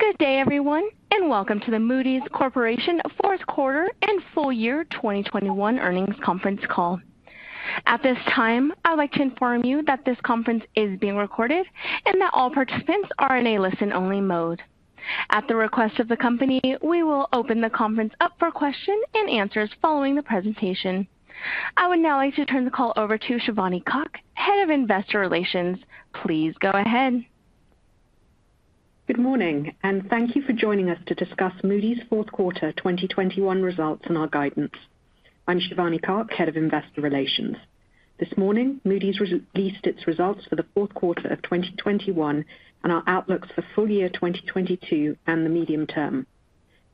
Good day, everyone, and welcome to the Moody's Corporation fourth quarter and full year 2021 earnings conference call. At this time, I'd like to inform you that this conference is being recorded and that all participants are in a listen-only mode. At the request of the company, we will open the conference up for question and answers following the presentation. I would now like to turn the call over to Shivani Koch, Head of Investor Relations. Please go ahead. Good morning, and thank you for joining us to discuss Moody's fourth quarter 2021 results and our guidance. I'm Shivani Kak, Head of Investor Relations. This morning, Moody's released its results for the fourth quarter of 2021 and our outlooks for full year 2022 and the medium term.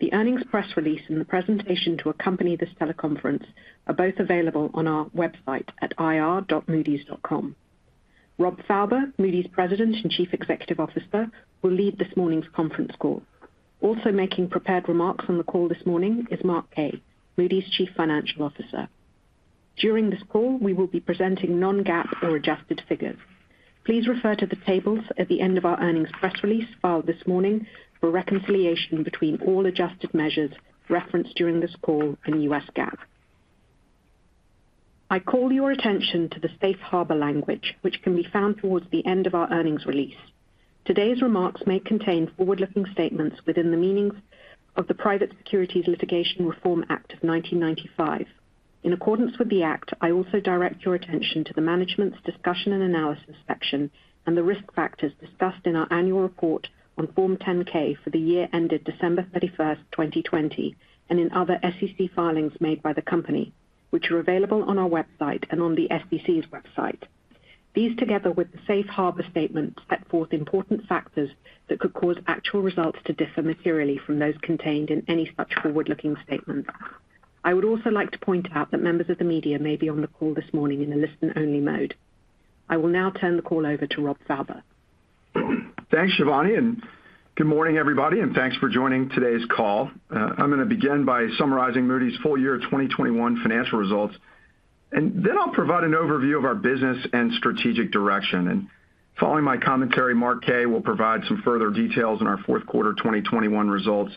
The earnings press release and the presentation to accompany this teleconference are both available on our website at ir.moodys.com. Rob Fauber, Moody's President and Chief Executive Officer, will lead this morning's conference call. Also making prepared remarks on the call this morning is Mark Kaye, Moody's Chief Financial Officer. During this call, we will be presenting non-GAAP or adjusted figures. Please refer to the tables at the end of our earnings press release filed this morning for reconciliation between all adjusted measures referenced during this call and U.S. GAAP. I call your attention to the safe harbor language, which can be found towards the end of our earnings release. Today's remarks may contain forward-looking statements within the meanings of the Private Securities Litigation Reform Act of 1995. In accordance with the act, I also direct your attention to the Management's Discussion and Analysis section and the risk factors discussed in our annual report on Form 10-K for the year ended December 31, 2020, and in other SEC filings made by the company, which are available on our website and on the SEC's website. These, together with the safe harbor statement, set forth important factors that could cause actual results to differ materially from those contained in any such forward-looking statements. I would also like to point out that members of the media may be on the call this morning in a listen-only mode. I will now turn the call over to Rob Fauber. Thanks, Shivani, and good morning, everybody, and thanks for joining today's call. I'm gonna begin by summarizing Moody's full year 2021 financial results, and then I'll provide an overview of our business and strategic direction. Following my commentary, Mark Kaye will provide some further details on our fourth quarter 2021 results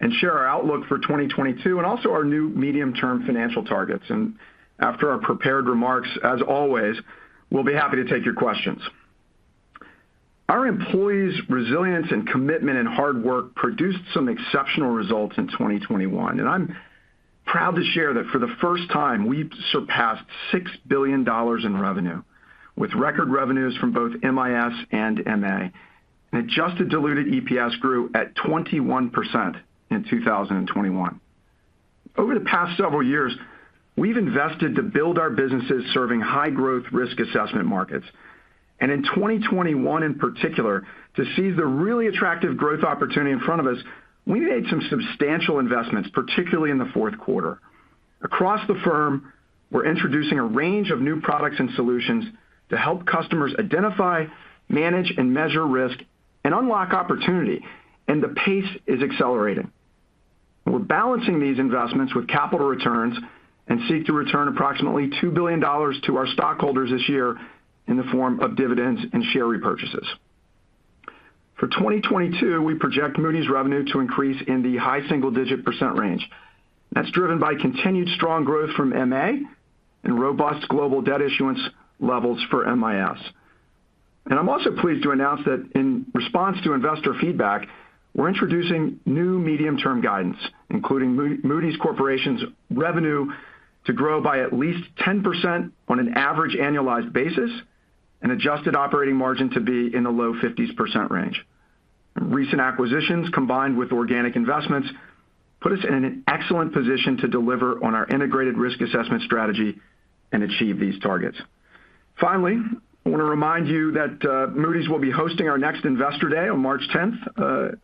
and share our outlook for 2022 and also our new medium-term financial targets. After our prepared remarks, as always, we'll be happy to take your questions. Our employees' resilience and commitment and hard work produced some exceptional results in 2021, and I'm proud to share that for the first time, we've surpassed $6 billion in revenue, with record revenues from both MIS and MA. Adjusted diluted EPS grew at 21% in 2021. Over the past several years, we've invested to build our businesses serving high-growth risk assessment markets. In 2021 in particular, to seize the really attractive growth opportunity in front of us, we made some substantial investments, particularly in the fourth quarter. Across the firm, we're introducing a range of new products and solutions to help customers identify, manage, and measure risk and unlock opportunity, and the pace is accelerating. We're balancing these investments with capital returns and seek to return approximately $2 billion to our stockholders this year in the form of dividends and share repurchases. For 2022, we project Moody's revenue to increase in the high single-digit % range. That's driven by continued strong growth from MA and robust global debt issuance levels for MIS. I'm also pleased to announce that in response to investor feedback, we're introducing new medium-term guidance, including Moody's Corporation's revenue to grow by at least 10% on an average annualized basis and adjusted operating margin to be in the low 50s% range. Recent acquisitions combined with organic investments put us in an excellent position to deliver on our integrated risk assessment strategy and achieve these targets. Finally, I wanna remind you that Moody's will be hosting our next Investor Day on March 10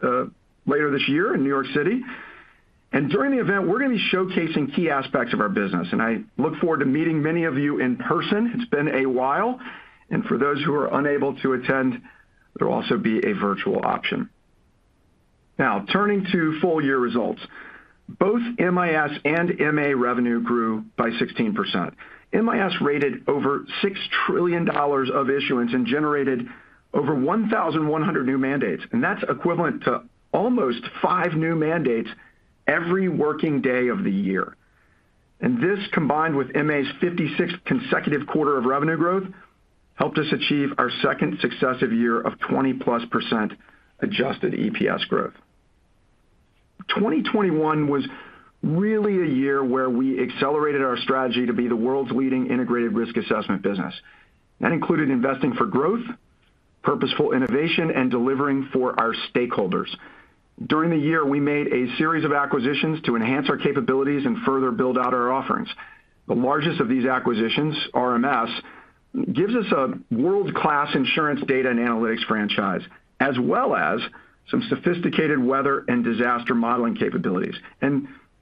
later this year in New York City. During the event, we're gonna be showcasing key aspects of our business, and I look forward to meeting many of you in person. It's been a while. For those who are unable to attend, there'll also be a virtual option. Now, turning to full-year results. Both MIS and MA revenue grew by 16%. MIS rated over $6 trillion of issuance and generated over 1,100 new mandates, and that's equivalent to almost 5 new mandates every working day of the year. This, combined with MA's 56 consecutive quarters of revenue growth, helped us achieve our second successive year of 20%+ adjusted EPS growth. 2021 was really a year where we accelerated our strategy to be the world's leading integrated risk assessment business. That included investing for growth, purposeful innovation, and delivering for our stakeholders. During the year, we made a series of acquisitions to enhance our capabilities and further build out our offerings. The largest of these acquisitions, RMS, gives us a world-class insurance data and analytics franchise, as well as some sophisticated weather and disaster modeling capabilities.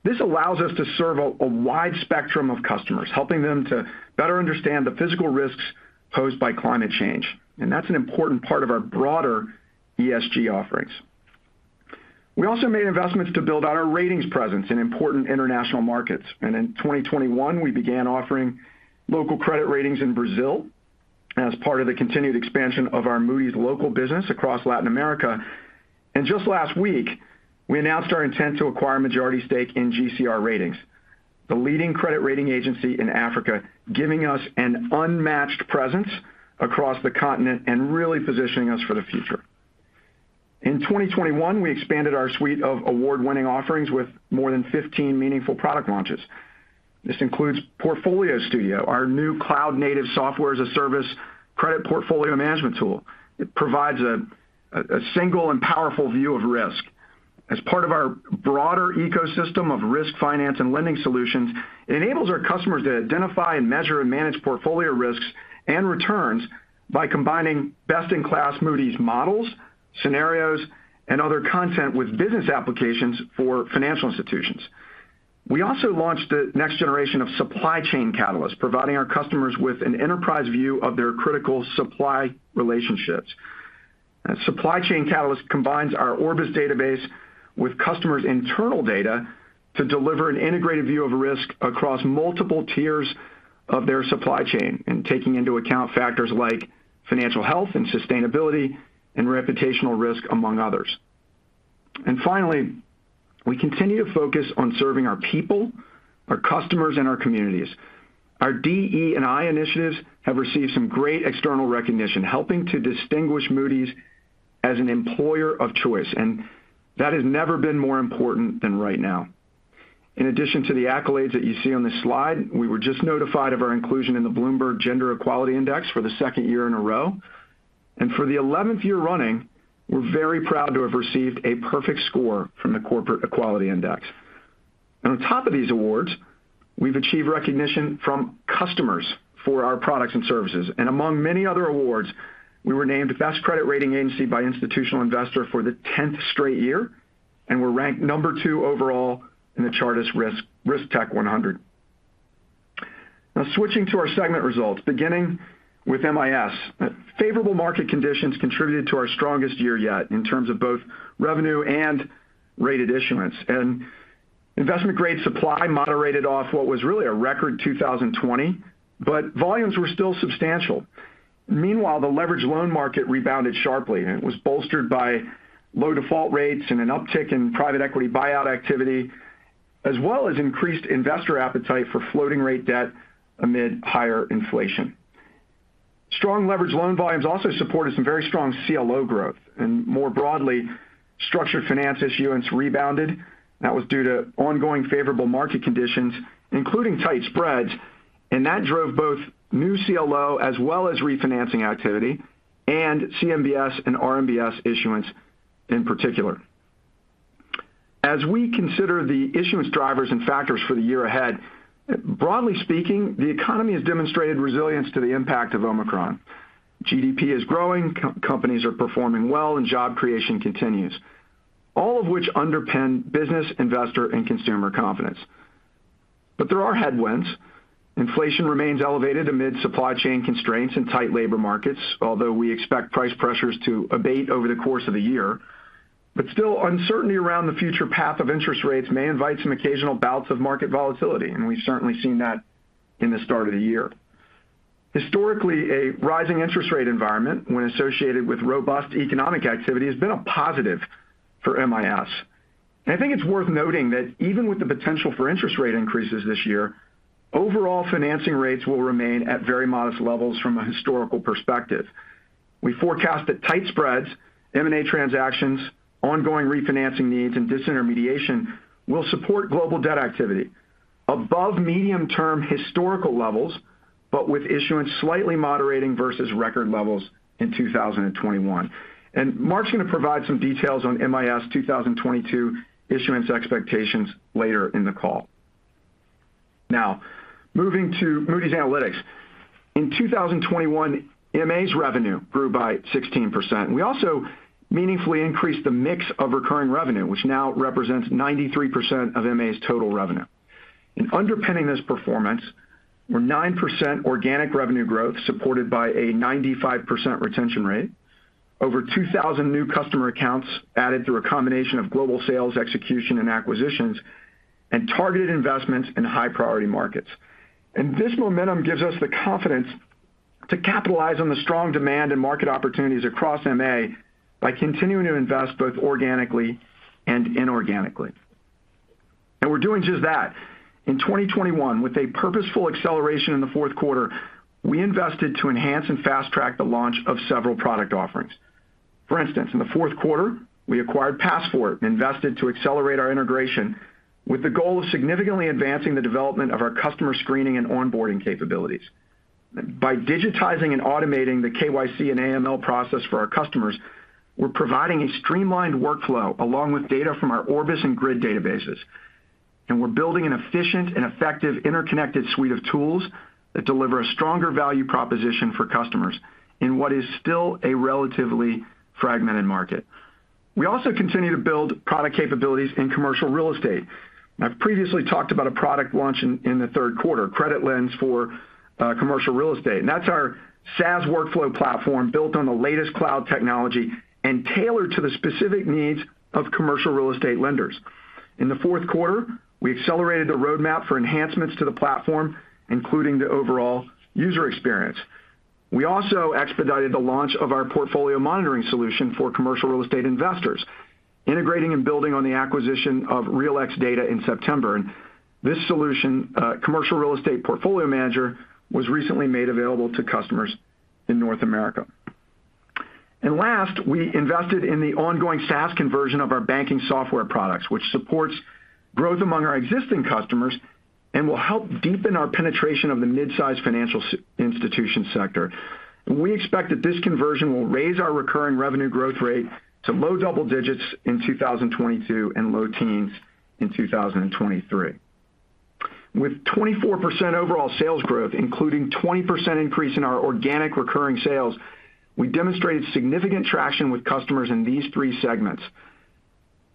This allows us to serve a wide spectrum of customers, helping them to better understand the physical risks posed by climate change, and that's an important part of our broader ESG offerings. We also made investments to build out our ratings presence in important international markets. In 2021, we began offering local credit ratings in Brazil as part of the continued expansion of our Moody's Local business across Latin America. And just last week, we announced our intent to acquire a majority stake in GCR Ratings, the leading credit rating agency in Africa, giving us an unmatched presence across the continent and really positioning us for the future. In 2021, we expanded our suite of award-winning offerings with more than 15 meaningful product launches. This includes Portfolio Studio, our new cloud-native software as a service credit portfolio management tool. It provides a single and powerful view of risk. As part of our broader ecosystem of risk finance and lending solutions, it enables our customers to identify and measure and manage portfolio risks and returns by combining best-in-class Moody's models, scenarios, and other content with business applications for financial institutions. We also launched the next generation of Supply Chain Catalyst, providing our customers with an enterprise view of their critical supply relationships. Supply Chain Catalyst combines our Orbis database with customers' internal data to deliver an integrated view of risk across multiple tiers of their supply chain and taking into account factors like financial health and sustainability and reputational risk, among others. Finally, we continue to focus on serving our people, our customers, and our communities. Our DE&I initiatives have received some great external recognition, helping to distinguish Moody's as an employer of choice, and that has never been more important than right now. In addition to the accolades that you see on this slide, we were just notified of our inclusion in the Bloomberg Gender-Equality Index for the second year in a row. For the eleventh year running, we're very proud to have received a perfect score from the Corporate Equality Index. On top of these awards, we've achieved recognition from customers for our products and services. Among many other awards, we were named Best Credit Rating Agency by Institutional Investor for the tenth straight year, and we're ranked number two overall in the Chartis RiskTech100. Now switching to our segment results, beginning with MIS. Favorable market conditions contributed to our strongest year yet in terms of both revenue and rated issuance. Investment-grade supply moderated off what was really a record 2020, but volumes were still substantial. Meanwhile, the leveraged loan market rebounded sharply, and it was bolstered by low default rates and an uptick in private equity buyout activity, as well as increased investor appetite for floating-rate debt amid higher inflation. Strong leveraged loan volumes also supported some very strong CLO growth. More broadly, structured finance issuance rebounded. That was due to ongoing favorable market conditions, including tight spreads. That drove both new CLO as well as refinancing activity and CMBS and RMBS issuance in particular. As we consider the issuance drivers and factors for the year ahead, broadly speaking, the economy has demonstrated resilience to the impact of Omicron. GDP is growing, companies are performing well, and job creation continues, all of which underpin business, investor, and consumer confidence. There are headwinds. Inflation remains elevated amid supply chain constraints and tight labor markets, although we expect price pressures to abate over the course of the year. Still, uncertainty around the future path of interest rates may invite some occasional bouts of market volatility, and we've certainly seen that in the start of the year. Historically, a rising interest rate environment, when associated with robust economic activity, has been a positive for MIS. I think it's worth noting that even with the potential for interest rate increases this year, overall financing rates will remain at very modest levels from a historical perspective. We forecast that tight spreads, M&A transactions, ongoing refinancing needs, and disintermediation will support global debt activity above medium-term historical levels, but with issuance slightly moderating versus record levels in 2021. Mark's gonna provide some details on MIS 2022 issuance expectations later in the call. Now, moving to Moody's Analytics. In 2021, MA's revenue grew by 16%. We also meaningfully increased the mix of recurring revenue, which now represents 93% of MA's total revenue. Underpinning this performance were 9% organic revenue growth supported by a 95% retention rate, over 2,000 new customer accounts added through a combination of global sales execution and acquisitions, and targeted investments in high-priority markets. This momentum gives us the confidence to capitalize on the strong demand and market opportunities across MA by continuing to invest both organically and inorganically. We're doing just that. In 2021, with a purposeful acceleration in the fourth quarter, we invested to enhance and fast-track the launch of several product offerings. For instance, in the fourth quarter, we acquired PassFort and invested to accelerate our integration with the goal of significantly advancing the development of our customer screening and onboarding capabilities. By digitizing and automating the KYC and AML process for our customers, we're providing a streamlined workflow along with data from our Orbis and GRID databases. We're building an efficient and effective interconnected suite of tools that deliver a stronger value proposition for customers in what is still a relatively fragmented market. We also continue to build product capabilities in commercial real estate. I've previously talked about a product launch in the third quarter, CreditLens for commercial real estate, and that's our SaaS workflow platform built on the latest cloud technology and tailored to the specific needs of commercial real estate lenders. In the fourth quarter, we accelerated the roadmap for enhancements to the platform, including the overall user experience. We also expedited the launch of our portfolio monitoring solution for commercial real estate investors, integrating and building on the acquisition of Realxdata in September. This solution, Commercial Real Estate Portfolio Manager, was recently made available to customers in North America. Last, we invested in the ongoing SaaS conversion of our banking software products, which supports growth among our existing customers and will help deepen our penetration of the mid-size financial institution sector. We expect that this conversion will raise our recurring revenue growth rate to low double digits in 2022 and low teens in 2023. With 24% overall sales growth, including 20% increase in our organic recurring sales, we demonstrated significant traction with customers in these three segments.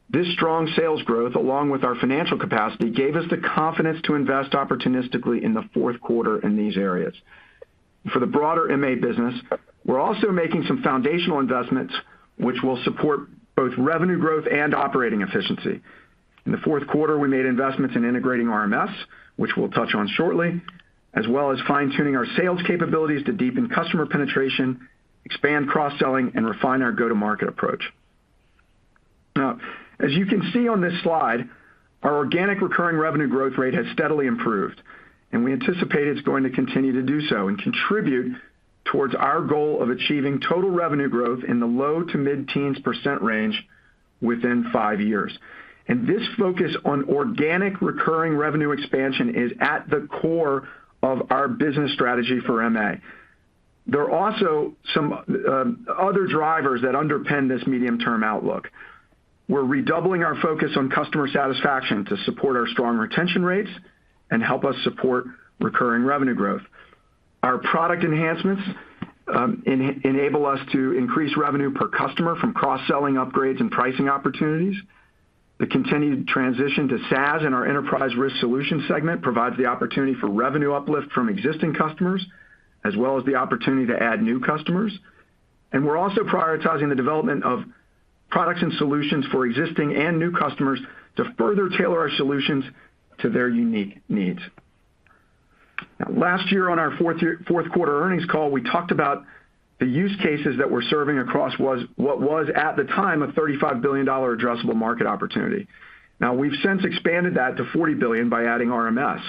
This strong sales growth, along with our financial capacity, gave us the confidence to invest opportunistically in the fourth quarter in these areas. For the broader MA business, we're also making some foundational investments which will support both revenue growth and operating efficiency. In the fourth quarter, we made investments in integrating RMS, which we'll touch on shortly, as well as fine-tuning our sales capabilities to deepen customer penetration, expand cross-selling, and refine our go-to-market approach. Now, as you can see on this slide, our organic recurring revenue growth rate has steadily improved, and we anticipate it's going to continue to do so and contribute towards our goal of achieving total revenue growth in the low- to mid-teens % range within five years. This focus on organic recurring revenue expansion is at the core of our business strategy for MA. There are also some other drivers that underpin this medium-term outlook. We're redoubling our focus on customer satisfaction to support our strong retention rates and help us support recurring revenue growth. Our product enhancements enable us to increase revenue per customer from cross-selling upgrades and pricing opportunities. The continued transition to SaaS in our enterprise risk solutions segment provides the opportunity for revenue uplift from existing customers, as well as the opportunity to add new customers. We're also prioritizing the development of products and solutions for existing and new customers to further tailor our solutions to their unique needs. Now, last year on our fourth quarter earnings call, we talked about the use cases that we're serving across what was at the time, a $35 billion addressable market opportunity. Now, we've since expanded that to $40 billion by adding RMS.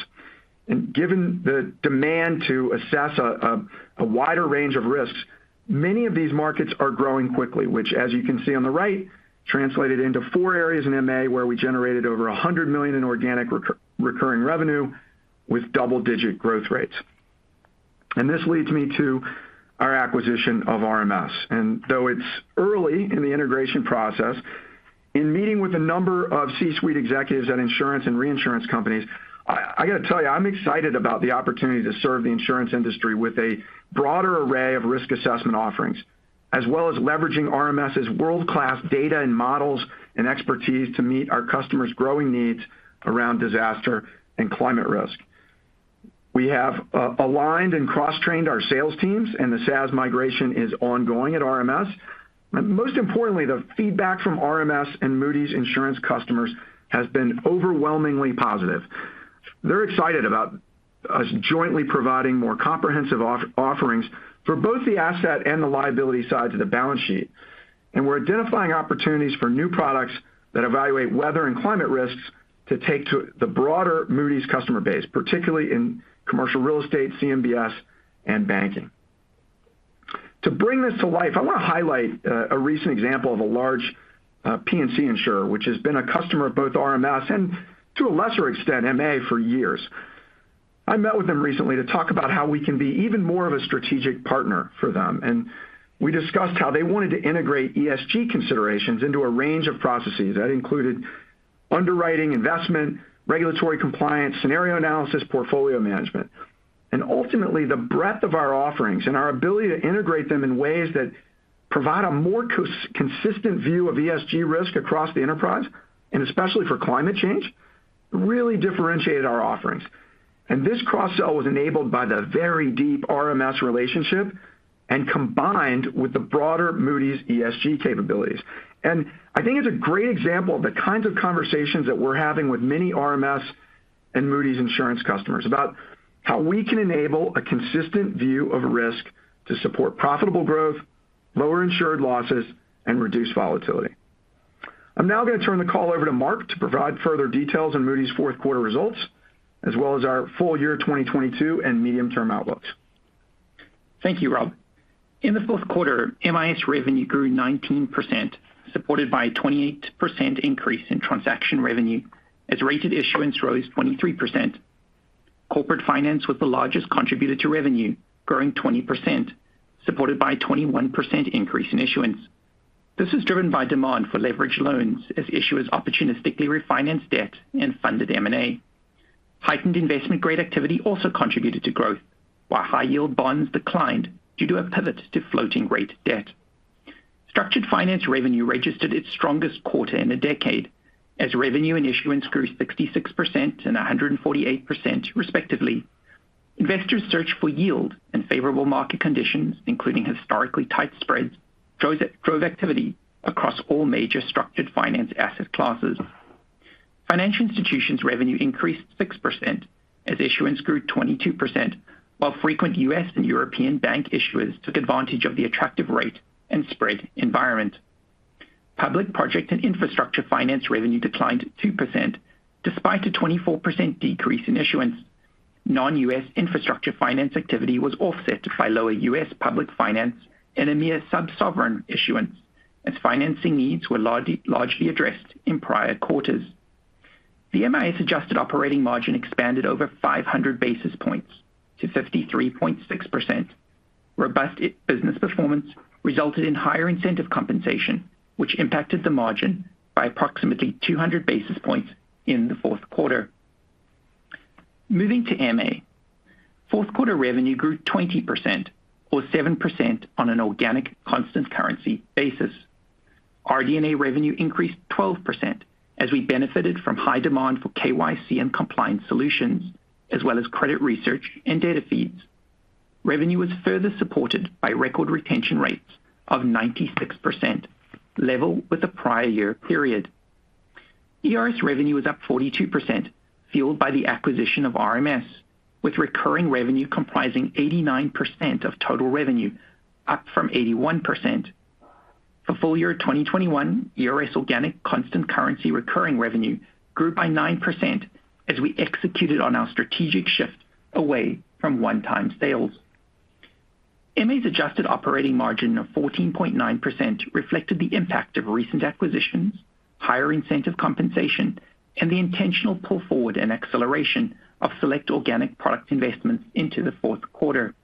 Given the demand to assess a wider range of risks, many of these markets are growing quickly, which as you can see on the right, translated into four areas in MA, where we generated over $100 million in organic recurring revenue with double-digit growth rates. This leads me to our acquisition of RMS. Though it's early in the integration process, in meeting with a number of C-suite executives at insurance and reinsurance companies, I gotta tell you, I'm excited about the opportunity to serve the insurance industry with a broader array of risk assessment offerings, as well as leveraging RMS' world-class data and models and expertise to meet our customers' growing needs around disaster and climate risk. We have aligned and cross-trained our sales teams, and the SaaS migration is ongoing at RMS. Most importantly, the feedback from RMS and Moody's Insurance customers has been overwhelmingly positive. They're excited about us jointly providing more comprehensive offerings for both the asset and the liability sides of the balance sheet. We're identifying opportunities for new products that evaluate weather and climate risks to take to the broader Moody's customer base, particularly in commercial real estate, CMBS, and banking. To bring this to life, I want to highlight a recent example of a large P&C insurer, which has been a customer of both RMS and to a lesser extent, MA for years. I met with them recently to talk about how we can be even more of a strategic partner for them, and we discussed how they wanted to integrate ESG considerations into a range of processes that included underwriting, investment, regulatory compliance, scenario analysis, portfolio management. Ultimately, the breadth of our offerings and our ability to integrate them in ways that provide a more consistent view of ESG risk across the enterprise, and especially for climate change, really differentiated our offerings. This cross-sell was enabled by the very deep RMS relationship and combined with the broader Moody's ESG capabilities. I think it's a great example of the kinds of conversations that we're having with many RMS and Moody's Insurance customers about how we can enable a consistent view of risk to support profitable growth, lower insured losses, and reduce volatility. I'm now gonna turn the call over to Mark to provide further details on Moody's fourth quarter results, as well as our full year 2022 and medium-term outlooks. Thank you, Rob. In the fourth quarter, MIS revenue grew 19%, supported by a 28% increase in transaction revenue, as rated issuance rose 23%. Corporate finance was the largest contributor to revenue, growing 20%, supported by a 21% increase in issuance. This is driven by demand for leveraged loans as issuers opportunistically refinanced debt and funded M&A. Heightened investment-grade activity also contributed to growth, while high-yield bonds declined due to a pivot to floating-rate debt. Structured finance revenue registered its strongest quarter in a decade as revenue and issuance grew 66% and 148%, respectively. Investors search for yield and favorable market conditions, including historically tight spreads, drove activity across all major structured finance asset classes. Financial Institutions revenue increased 6% as issuance grew 22%, while frequent U.S. and European bank issuers took advantage of the attractive rate and spread environment. Public project and infrastructure finance revenue declined 2% despite a 24% decrease in issuance. Non-U.S. infrastructure finance activity was offset by lower U.S. public finance and a mere sub-sovereign issuance as financing needs were largely addressed in prior quarters. The MIS's adjusted operating margin expanded over 500 basis points to 53.6%. Robust business performance resulted in higher incentive compensation, which impacted the margin by approximately 200 basis points in the fourth quarter. Moving to MA. Fourth quarter revenue grew 20% or 7% on an organic constant currency basis. RD&A revenue increased 12% as we benefited from high demand for KYC and compliance solutions, as well as credit research and data feeds. Revenue was further supported by record retention rates of 96% level with the prior year period. ERS revenue was up 42%, fueled by the acquisition of RMS, with recurring revenue comprising 89% of total revenue, up from 81%. For full year 2021, ERS organic constant currency recurring revenue grew by 9% as we executed on our strategic shift away from one-time sales. MA's adjusted operating margin of 14.9% reflected the impact of recent acquisitions, higher incentive compensation, and the intentional pull forward and acceleration of select organic product investments into the fourth quarter.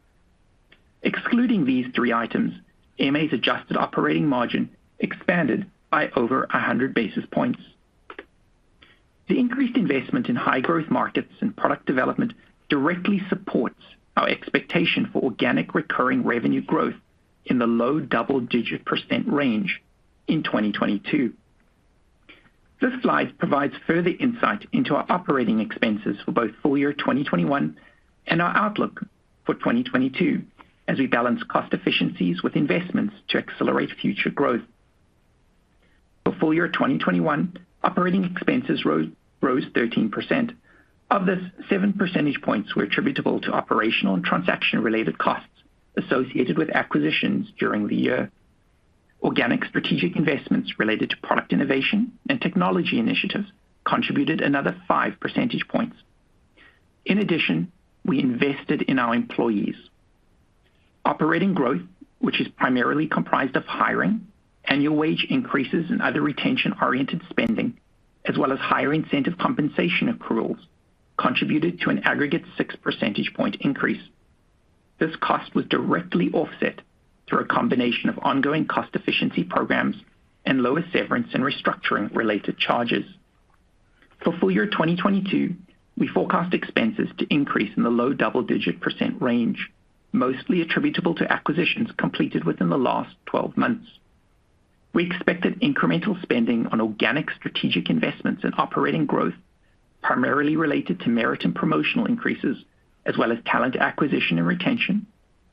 Excluding these three items, MA's adjusted operating margin expanded by over 100 basis points. The increased investment in high growth markets and product development directly supports our expectation for organic recurring revenue growth in the low double-digit % range in 2022. This slide provides further insight into our operating expenses for both full year 2021 and our outlook for 2022 as we balance cost efficiencies with investments to accelerate future growth. For full year 2021, operating expenses rose 13%. Of this, 7 percentage points were attributable to operational and transaction-related costs associated with acquisitions during the year. Organic strategic investments related to product innovation and technology initiatives contributed another 5 percentage points. In addition, we invested in our employees. Operating growth, which is primarily comprised of hiring, annual wage increases and other retention-oriented spending, as well as higher incentive compensation accruals, contributed to an aggregate 6 percentage point increase. This cost was directly offset through a combination of ongoing cost efficiency programs and lower severance and restructuring-related charges. For full year 2022, we forecast expenses to increase in the low double-digit % range, mostly attributable to acquisitions completed within the last 12 months. We expect that incremental spending on organic strategic investments and operating growth, primarily related to merit and promotional increases, as well as talent acquisition and retention,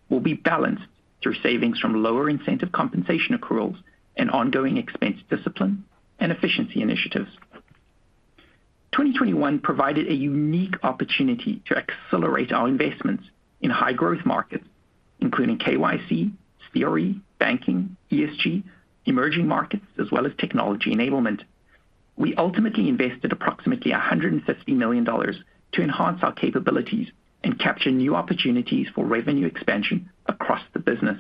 will be balanced through savings from lower incentive compensation accruals and ongoing expense discipline and efficiency initiatives. 2021 provided a unique opportunity to accelerate our investments in high growth markets, including KYC, CRE, banking, ESG, emerging markets, as well as technology enablement. We ultimately invested approximately $150 million to enhance our capabilities and capture new opportunities for revenue expansion across the business.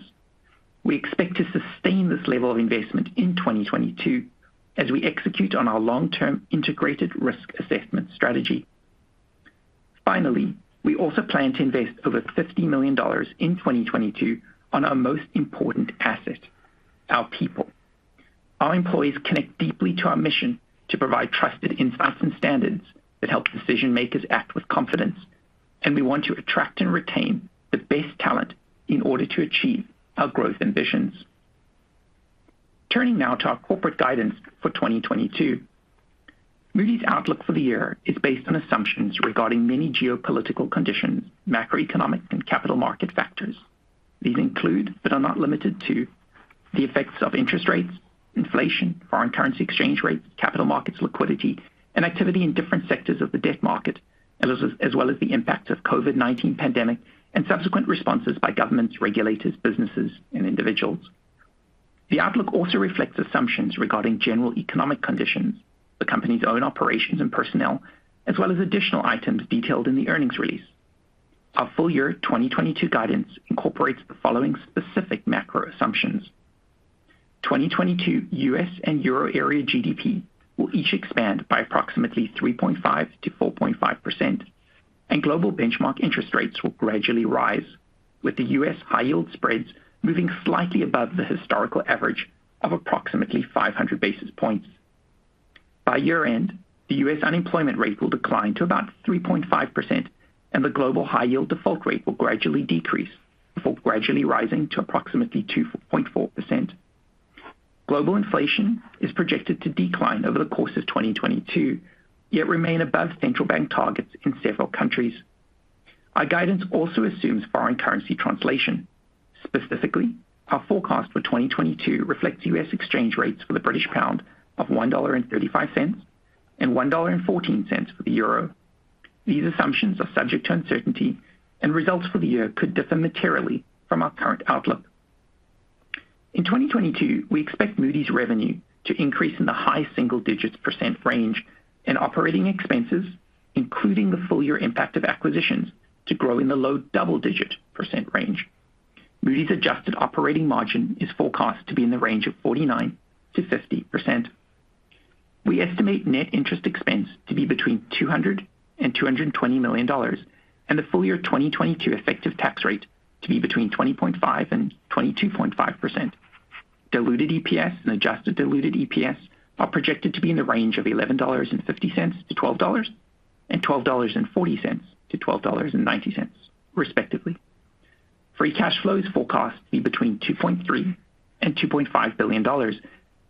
We expect to sustain this level of investment in 2022 as we execute on our long-term integrated risk assessment strategy. Finally, we also plan to invest over $50 million in 2022 on our most important asset, our people. Our employees connect deeply to our mission to provide trusted insights and standards that help decision makers act with confidence, and we want to attract and retain the best talent in order to achieve our growth ambitions. Turning now to our corporate guidance for 2022. Moody's outlook for the year is based on assumptions regarding many geopolitical conditions, macroeconomic and capital market factors. These include, but are not limited to, the effects of interest rates, inflation, foreign currency exchange rates, capital markets liquidity, and activity in different sectors of the debt market, as well as the impact of COVID-19 pandemic and subsequent responses by governments, regulators, businesses, and individuals. The outlook also reflects assumptions regarding general economic conditions, the company's own operations and personnel, as well as additional items detailed in the earnings release. Our full year 2022 guidance incorporates the following specific macro assumptions. 2022 U.S. and euro area GDP will each expand by approximately 3.5%-4.5%, and global benchmark interest rates will gradually rise, with the U.S. high yield spreads moving slightly above the historical average of approximately 500 basis points. By year-end, the U.S. unemployment rate will decline to about 3.5%, and the global high yield default rate will gradually decrease before gradually rising to approximately 2.4%. Global inflation is projected to decline over the course of 2022, yet remain above central bank targets in several countries. Our guidance also assumes foreign currency translation. Specifically, our forecast for 2022 reflects U.S. exchange rates for the British pound of $1.35 and $1.14 for the euro. These assumptions are subject to uncertainty, and results for the year could differ materially from our current outlook. In 2022, we expect Moody's revenue to increase in the high single digits % range and operating expenses, including the full year impact of acquisitions, to grow in the low double-digit % range. Moody's adjusted operating margin is forecast to be in the range of 49%-50%. We estimate net interest expense to be between $200 million and $220 million, and the full year 2022 effective tax rate to be between 20.5% and 22.5%. Diluted EPS and adjusted diluted EPS are projected to be in the range of $11.50-$12.00 and $12.40-$12.90, respectively. Free cash flows forecast to be between $2.3 billion and $2.5 billion,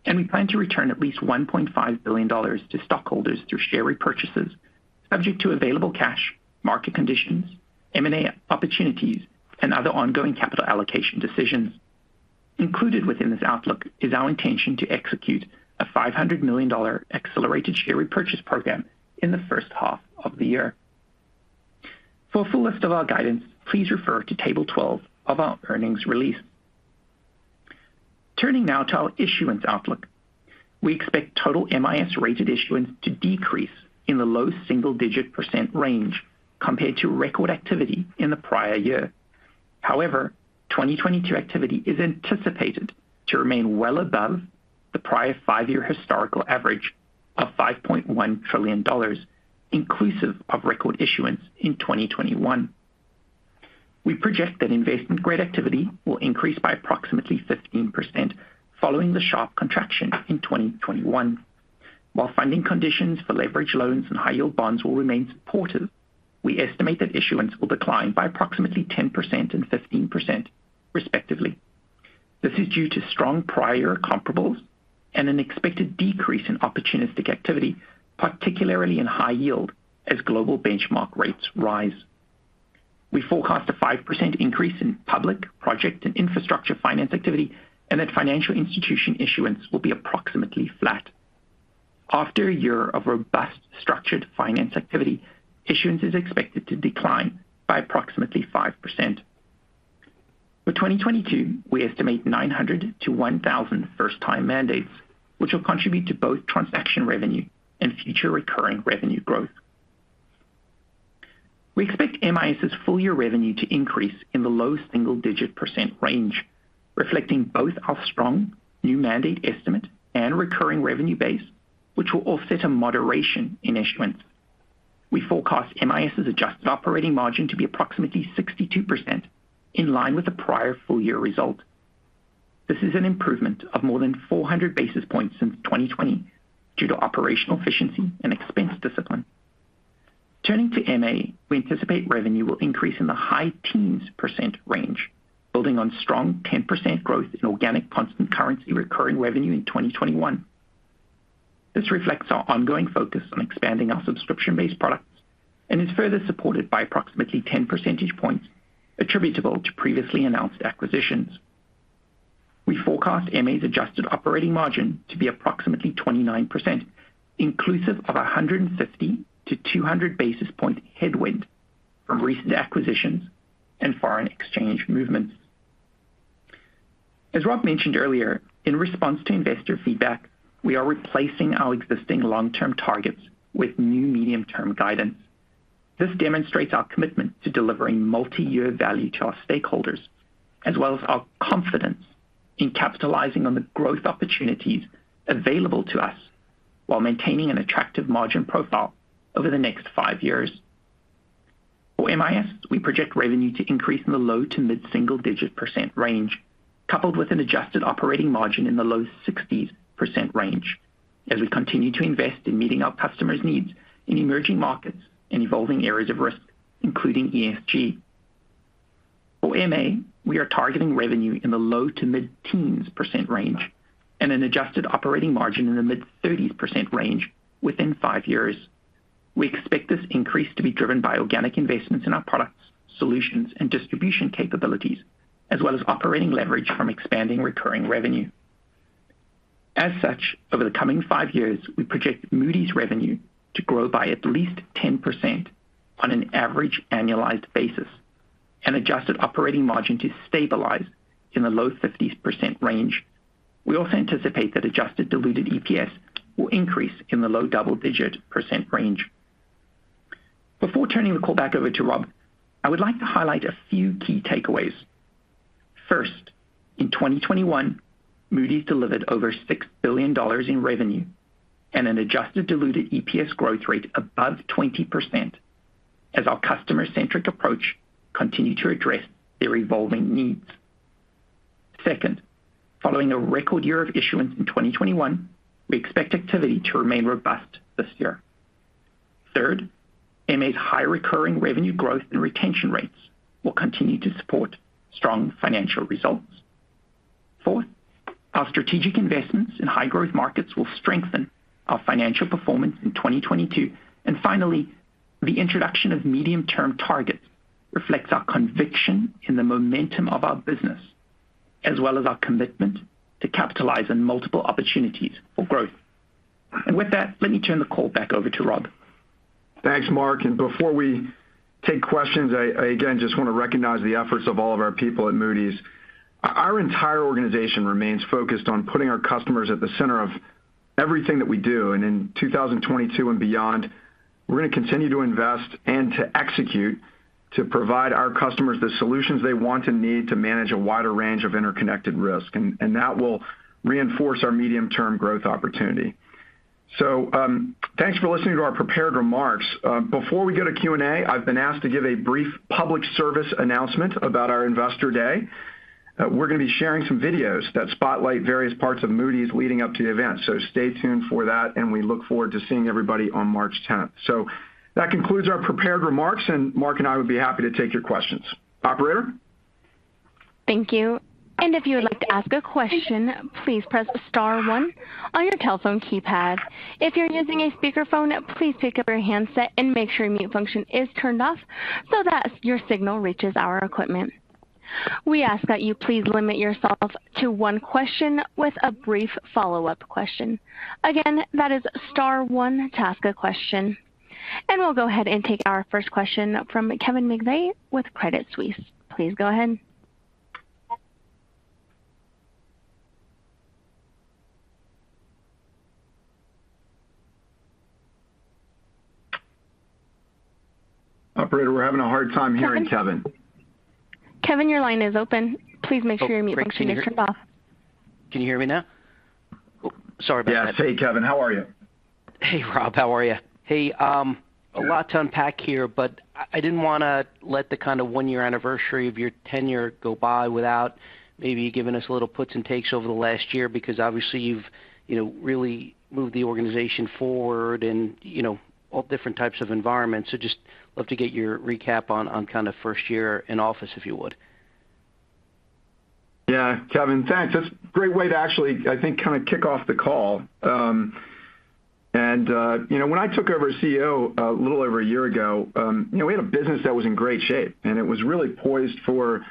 and we plan to return at least $1.5 billion to stockholders through share repurchases subject to available cash, market conditions, M&A opportunities, and other ongoing capital allocation decisions. Included within this outlook is our intention to execute a $500 million accelerated share repurchase program in the first half of the year. For a full list of our guidance, please refer to table 12 of our earnings release. Turning now to our issuance outlook. We expect total MIS rated issuance to decrease in the low single-digit % range compared to record activity in the prior year. However, 2022 activity is anticipated to remain well above the prior 5-year historical average of $5.1 trillion, inclusive of record issuance in 2021. We project that investment-grade activity will increase by approximately 15% following the sharp contraction in 2021. While funding conditions for leverage loans and high-yield bonds will remain supportive, we estimate that issuance will decline by approximately 10% and 15%, respectively. This is due to strong prior comparables and an expected decrease in opportunistic activity, particularly in high yield, as global benchmark rates rise. We forecast a 5% increase in public project and infrastructure finance activity, and that financial institution issuance will be approximately flat. After a year of robust structured finance activity, issuance is expected to decline by approximately 5%. For 2022, we estimate 900-1,000 first-time mandates, which will contribute to both transaction revenue and future recurring revenue growth. We expect MIS's full-year revenue to increase in the low single-digit % range, reflecting both our strong new mandate estimate and recurring revenue base, which will offset a moderation in issuance. We forecast MIS's adjusted operating margin to be approximately 62% in line with the prior full-year result. This is an improvement of more than 400 basis points since 2020 due to operational efficiency and expense discipline. Turning to MA, we anticipate revenue will increase in the high teens % range, building on strong 10% growth in organic constant currency recurring revenue in 2021. This reflects our ongoing focus on expanding our subscription-based products and is further supported by approximately 10 percentage points attributable to previously announced acquisitions. We forecast MA's adjusted operating margin to be approximately 29%, inclusive of a 150-200 basis point headwind from recent acquisitions and foreign exchange movements. As Rob mentioned earlier, in response to investor feedback, we are replacing our existing long-term targets with new medium-term guidance. This demonstrates our commitment to delivering multi-year value to our stakeholders, as well as our confidence in capitalizing on the growth opportunities available to us while maintaining an attractive margin profile over the next five years. For MIS, we project revenue to increase in the low to mid single-digit % range, coupled with an adjusted operating margin in the low 60s % range as we continue to invest in meeting our customers' needs in emerging markets and evolving areas of risk, including ESG. For MA, we are targeting revenue in the low to mid teens % range and an adjusted operating margin in the mid-30s % range within five years. We expect this increase to be driven by organic investments in our products, solutions and distribution capabilities, as well as operating leverage from expanding recurring revenue. As such, over the coming five years, we project Moody's revenue to grow by at least 10% on an average annualized basis and adjusted operating margin to stabilize in the low 50s % range. We also anticipate that adjusted diluted EPS will increase in the low double-digit % range. Before turning the call back over to Rob, I would like to highlight a few key takeaways. First, in 2021, Moody's delivered over $6 billion in revenue and an adjusted diluted EPS growth rate above 20% as our customer-centric approach continued to address their evolving needs. Second, following a record year of issuance in 2021, we expect activity to remain robust this year. Third, MA's high recurring revenue growth and retention rates will continue to support strong financial results. Fourth, our strategic investments in high-growth markets will strengthen our financial performance in 2022. Finally, the introduction of medium-term targets reflects our conviction in the momentum of our business, as well as our commitment to capitalize on multiple opportunities for growth. With that, let me turn the call back over to Rob. Thanks, Mark. Before we take questions, I again just wanna recognize the efforts of all of our people at Moody's. Our entire organization remains focused on putting our customers at the center of everything that we do. In 2022 and beyond, we're gonna continue to invest and to execute to provide our customers the solutions they want and need to manage a wider range of interconnected risk, and that will reinforce our medium-term growth opportunity. Thanks for listening to our prepared remarks. Before we go to Q&A, I've been asked to give a brief public service announcement about our Investor Day. We're gonna be sharing some videos that spotlight various parts of Moody's leading up to the event. Stay tuned for that, and we look forward to seeing everybody on March tenth. That concludes our prepared remarks, and Mark and I would be happy to take your questions. Operator? Thank you. If you would like to ask a question, please press star one on your telephone keypad. If you're using a speakerphone, please pick up your handset and make sure mute function is turned off so that your signal reaches our equipment. We ask that you please limit yourself to one question with a brief follow-up question. Again, that is star one to ask a question. We'll go ahead and take our first question from Kevin McVeigh with Credit Suisse. Please go ahead. Operator, we're having a hard time hearing Kevin. Kevin, your line is open. Please make sure your mute function is turned off. Can you hear me now? Sorry about that. Yeah. Hey, Kevin. How are you? Hey, Rob. How are you? Hey, a lot to unpack here, but I didn't wanna let the kinda one-year anniversary of your tenure go by without maybe giving us a little puts and takes over the last year because obviously you've, you know, really moved the organization forward in, you know, all different types of environments. Just love to get your recap on kinda first year in office, if you would. Yeah. Kevin, thanks. That's a great way to actually, I think, kinda kick off the call. You know, when I took over as CEO a little over a year ago, you know, we had a business that was in great shape, and it was really poised for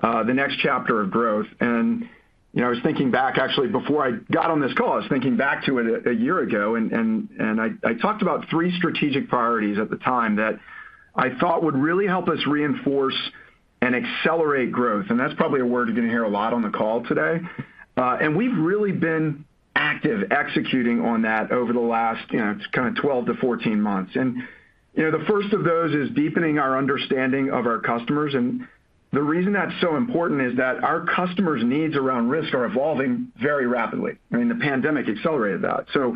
the next chapter of growth. You know, I was thinking back actually before I got on this call. I was thinking back to it a year ago, and I talked about three strategic priorities at the time that I thought would really help us reinforce and accelerate growth, and that's probably a word you're gonna hear a lot on the call today. We've really been active executing on that over the last, you know, kind of 12-14 months. You know, the first of those is deepening our understanding of our customers, and the reason that's so important is that our customers' needs around risk are evolving very rapidly. I mean, the pandemic accelerated that. You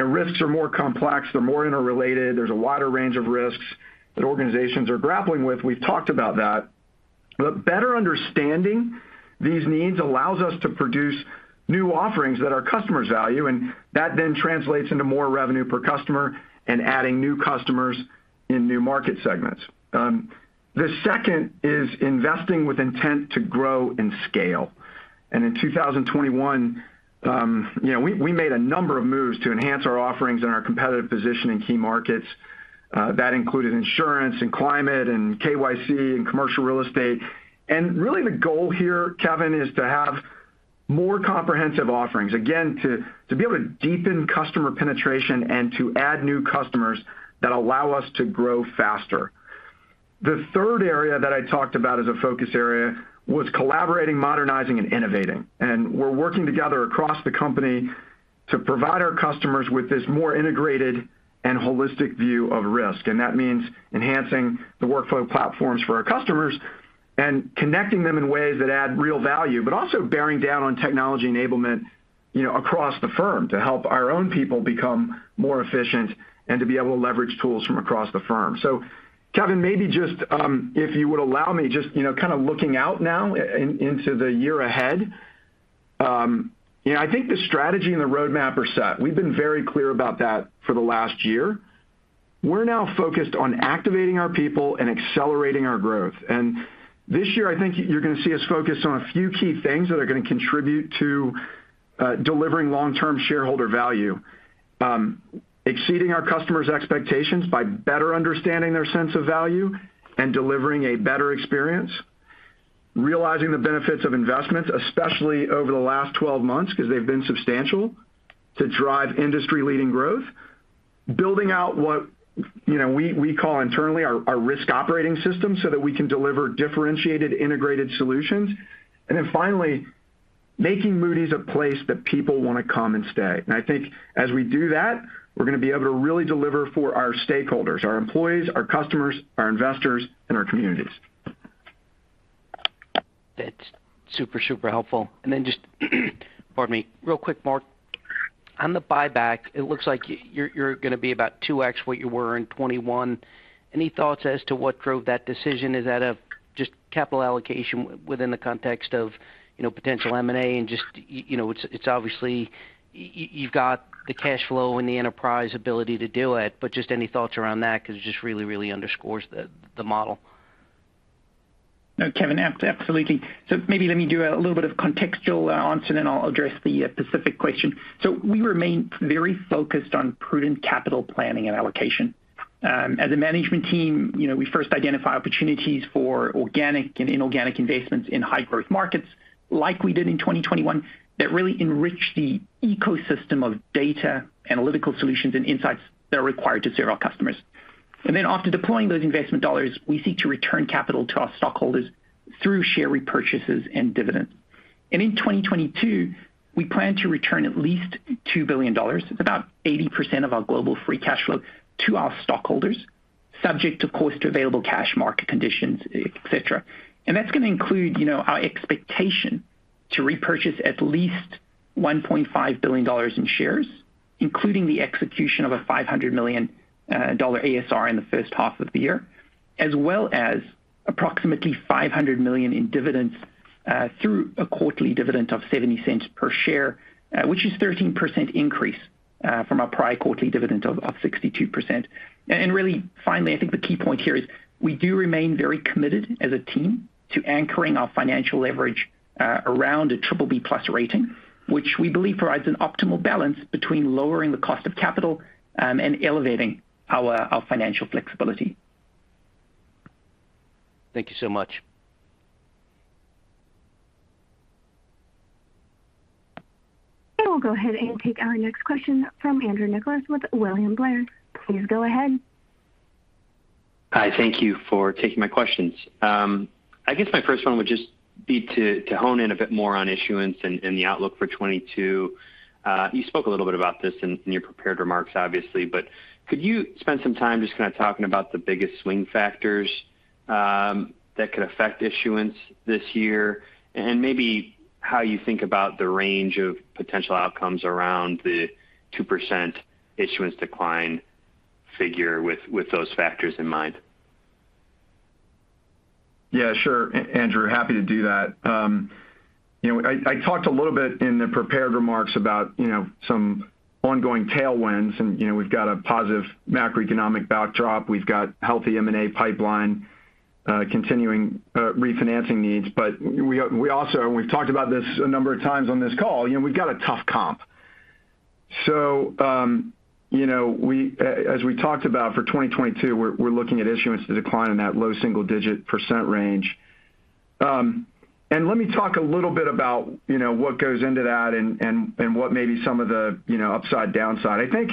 know, risks are more complex, they're more interrelated, there's a wider range of risks that organizations are grappling with. We've talked about that. But better understanding these needs allows us to produce new offerings that our customers value, and that then translates into more revenue per customer and adding new customers in new market segments. The second is investing with intent to grow and scale. In 2021, you know, we made a number of moves to enhance our offerings and our competitive position in key markets, that included insurance and climate and KYC and commercial real estate. Really the goal here, Kevin, is to have more comprehensive offerings, again, to be able to deepen customer penetration and to add new customers that allow us to grow faster. The third area that I talked about as a focus area was collaborating, modernizing, and innovating. We're working together across the company to provide our customers with this more integrated and holistic view of risk. That means enhancing the workflow platforms for our customers and connecting them in ways that add real value, but also bearing down on technology enablement, you know, across the firm to help our own people become more efficient and to be able to leverage tools from across the firm. Kevin, maybe just, if you would allow me just, you know, kinda looking out now into the year ahead. You know, I think the strategy and the roadmap are set. We've been very clear about that for the last year. We're now focused on activating our people and accelerating our growth. This year, I think you're gonna see us focus on a few key things that are gonna contribute to delivering long-term shareholder value. Exceeding our customers' expectations by better understanding their sense of value and delivering a better experience. Realizing the benefits of investments, especially over the last 12 months, 'cause they've been substantial to drive industry-leading growth. Building out what, you know, we call internally our risk operating system, so that we can deliver differentiated integrated solutions. Finally, making Moody's a place that people wanna come and stay. I think as we do that, we're gonna be able to really deliver for our stakeholders, our employees, our customers, our investors, and our communities. That's super helpful. Then just, pardon me, real quick, Mark. On the buyback, it looks like you're gonna be about 2x what you were in 2021. Any thoughts as to what drove that decision? Is that just capital allocation within the context of, you know, potential M&A and just, you know, it's obviously you've got the cash flow and the enterprise ability to do it, but just any thoughts around that because it just really underscores the model. No, Kevin. Absolutely. Maybe let me do a little bit of contextual answer, then I'll address the specific question. We remain very focused on prudent capital planning and allocation. As a management team, you know, we first identify opportunities for organic and inorganic investments in high growth markets like we did in 2021 that really enrich the ecosystem of data, analytical solutions and insights that are required to serve our customers. And then after deploying those investment dollars, we seek to return capital to our stockholders through share repurchases and dividends. And in 2022, we plan to return at least $2 billion. It's about 80% of our global free cash flow to our stockholders, subject, of course, to available cash, market conditions, et cetera. That's going to include, you know, our expectation to repurchase at least $1.5 billion in shares, including the execution of a $500 million ASR in the first half of the year, as well as approximately $500 million in dividends through a quarterly dividend of $0.70 per share, which is 13% increase from our prior quarterly dividend of $0.62. Really, finally, I think the key point here is we do remain very committed as a team to anchoring our financial leverage around a BBB+ rating, which we believe provides an optimal balance between lowering the cost of capital and elevating our financial flexibility. Thank you so much. We'll go ahead and take our next question from Andrew Nicholas with William Blair. Please go ahead. Hi. Thank you for taking my questions. I guess my first one would just be to hone in a bit more on issuance and the outlook for 2022. You spoke a little bit about this in your prepared remarks, obviously, but could you spend some time just kind of talking about the biggest swing factors that could affect issuance this year and maybe how you think about the range of potential outcomes around the 2% issuance decline figure with those factors in mind? Yeah, sure. Andrew, happy to do that. You know, I talked a little bit in the prepared remarks about some ongoing tailwinds and, you know, we've got a positive macroeconomic backdrop. We've got healthy M&A pipeline, continuing refinancing needs. We also and we've talked about this a number of times on this call, you know, we've got a tough comp. You know, as we talked about for 2022, we're looking at issuance to decline in that low single-digit % range. Let me talk a little bit about what goes into that and what may be some of the upside, downside. I think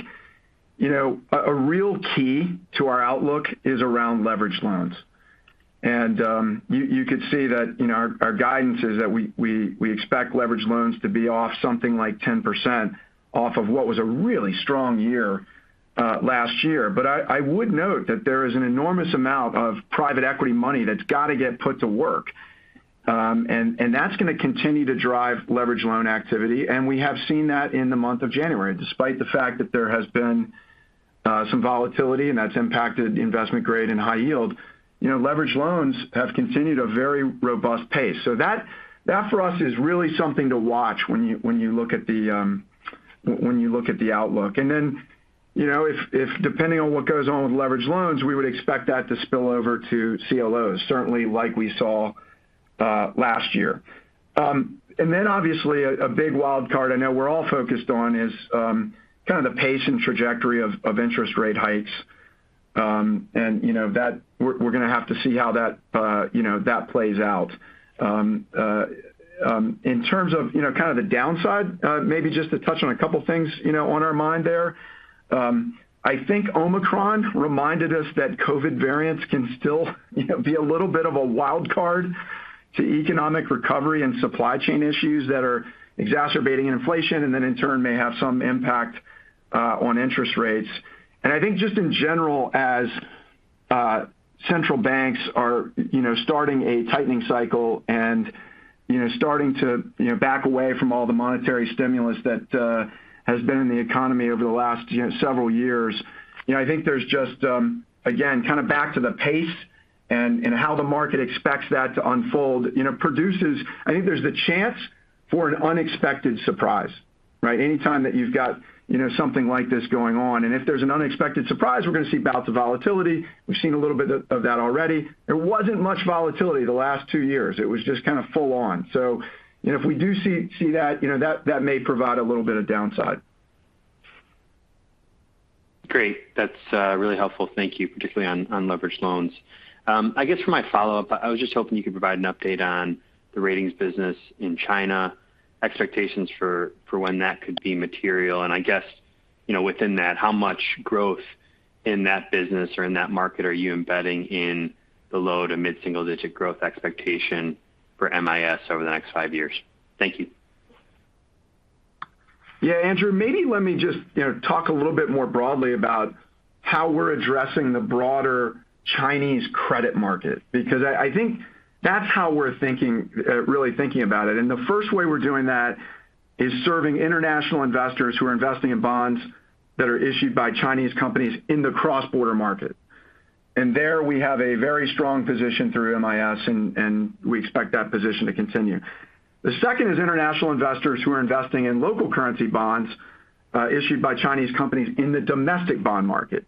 a real key to our outlook is around leveraged loans. You could see that, you know, our guidance is that we expect leveraged loans to be off something like 10% off of what was a really strong year last year. I would note that there is an enormous amount of private equity money that's got to get put to work. That's going to continue to drive leveraged loan activity. We have seen that in the month of January, despite the fact that there has been some volatility and that's impacted investment grade and high yield. You know, leveraged loans have continued a very robust pace. That for us is really something to watch when you look at the outlook. Then, you know, if depending on what goes on with leveraged loans, we would expect that to spill over to CLOs, certainly like we saw last year. Obviously a big wildcard I know we're all focused on is kind of the pace and trajectory of interest rate hikes. You know, that we're going to have to see how that plays out. In terms of, you know, kind of the downside, maybe just to touch on a couple of things, you know, on our mind there. I think Omicron reminded us that COVID variants can still, you know, be a little bit of a wildcard to economic recovery and supply chain issues that are exacerbating inflation and then in turn may have some impact on interest rates. I think just in general, as central banks are, you know, starting a tightening cycle and, you know, starting to, you know, back away from all the monetary stimulus that has been in the economy over the last, you know, several years. You know, I think there's just, again, kind of back to the pace and how the market expects that to unfold, you know, produces I think there's the chance for an unexpected surprise, right? Anytime that you've got, you know, something like this going on. If there's an unexpected surprise, we're going to see bouts of volatility. We've seen a little bit of that already. There wasn't much volatility the last two years. It was just kind of full on. If we do see that may provide a little bit of downside. Great. That's really helpful. Thank you. Particularly on leveraged loans. I guess for my follow-up, I was just hoping you could provide an update on the ratings business in China, expectations for when that could be material. I guess, you know, within that, how much growth in that business or in that market are you embedding in the low- to mid-single-digit growth expectation for MIS over the next five years? Thank you. Yeah, Andrew, maybe let me just, you know, talk a little bit more broadly about how we're addressing the broader Chinese credit market, because I think that's how we're thinking, really thinking about it. The first way we're doing that is serving international investors who are investing in bonds that are issued by Chinese companies in the cross-border market. There we have a very strong position through MIS and we expect that position to continue. The second is international investors who are investing in local currency bonds issued by Chinese companies in the domestic bond market.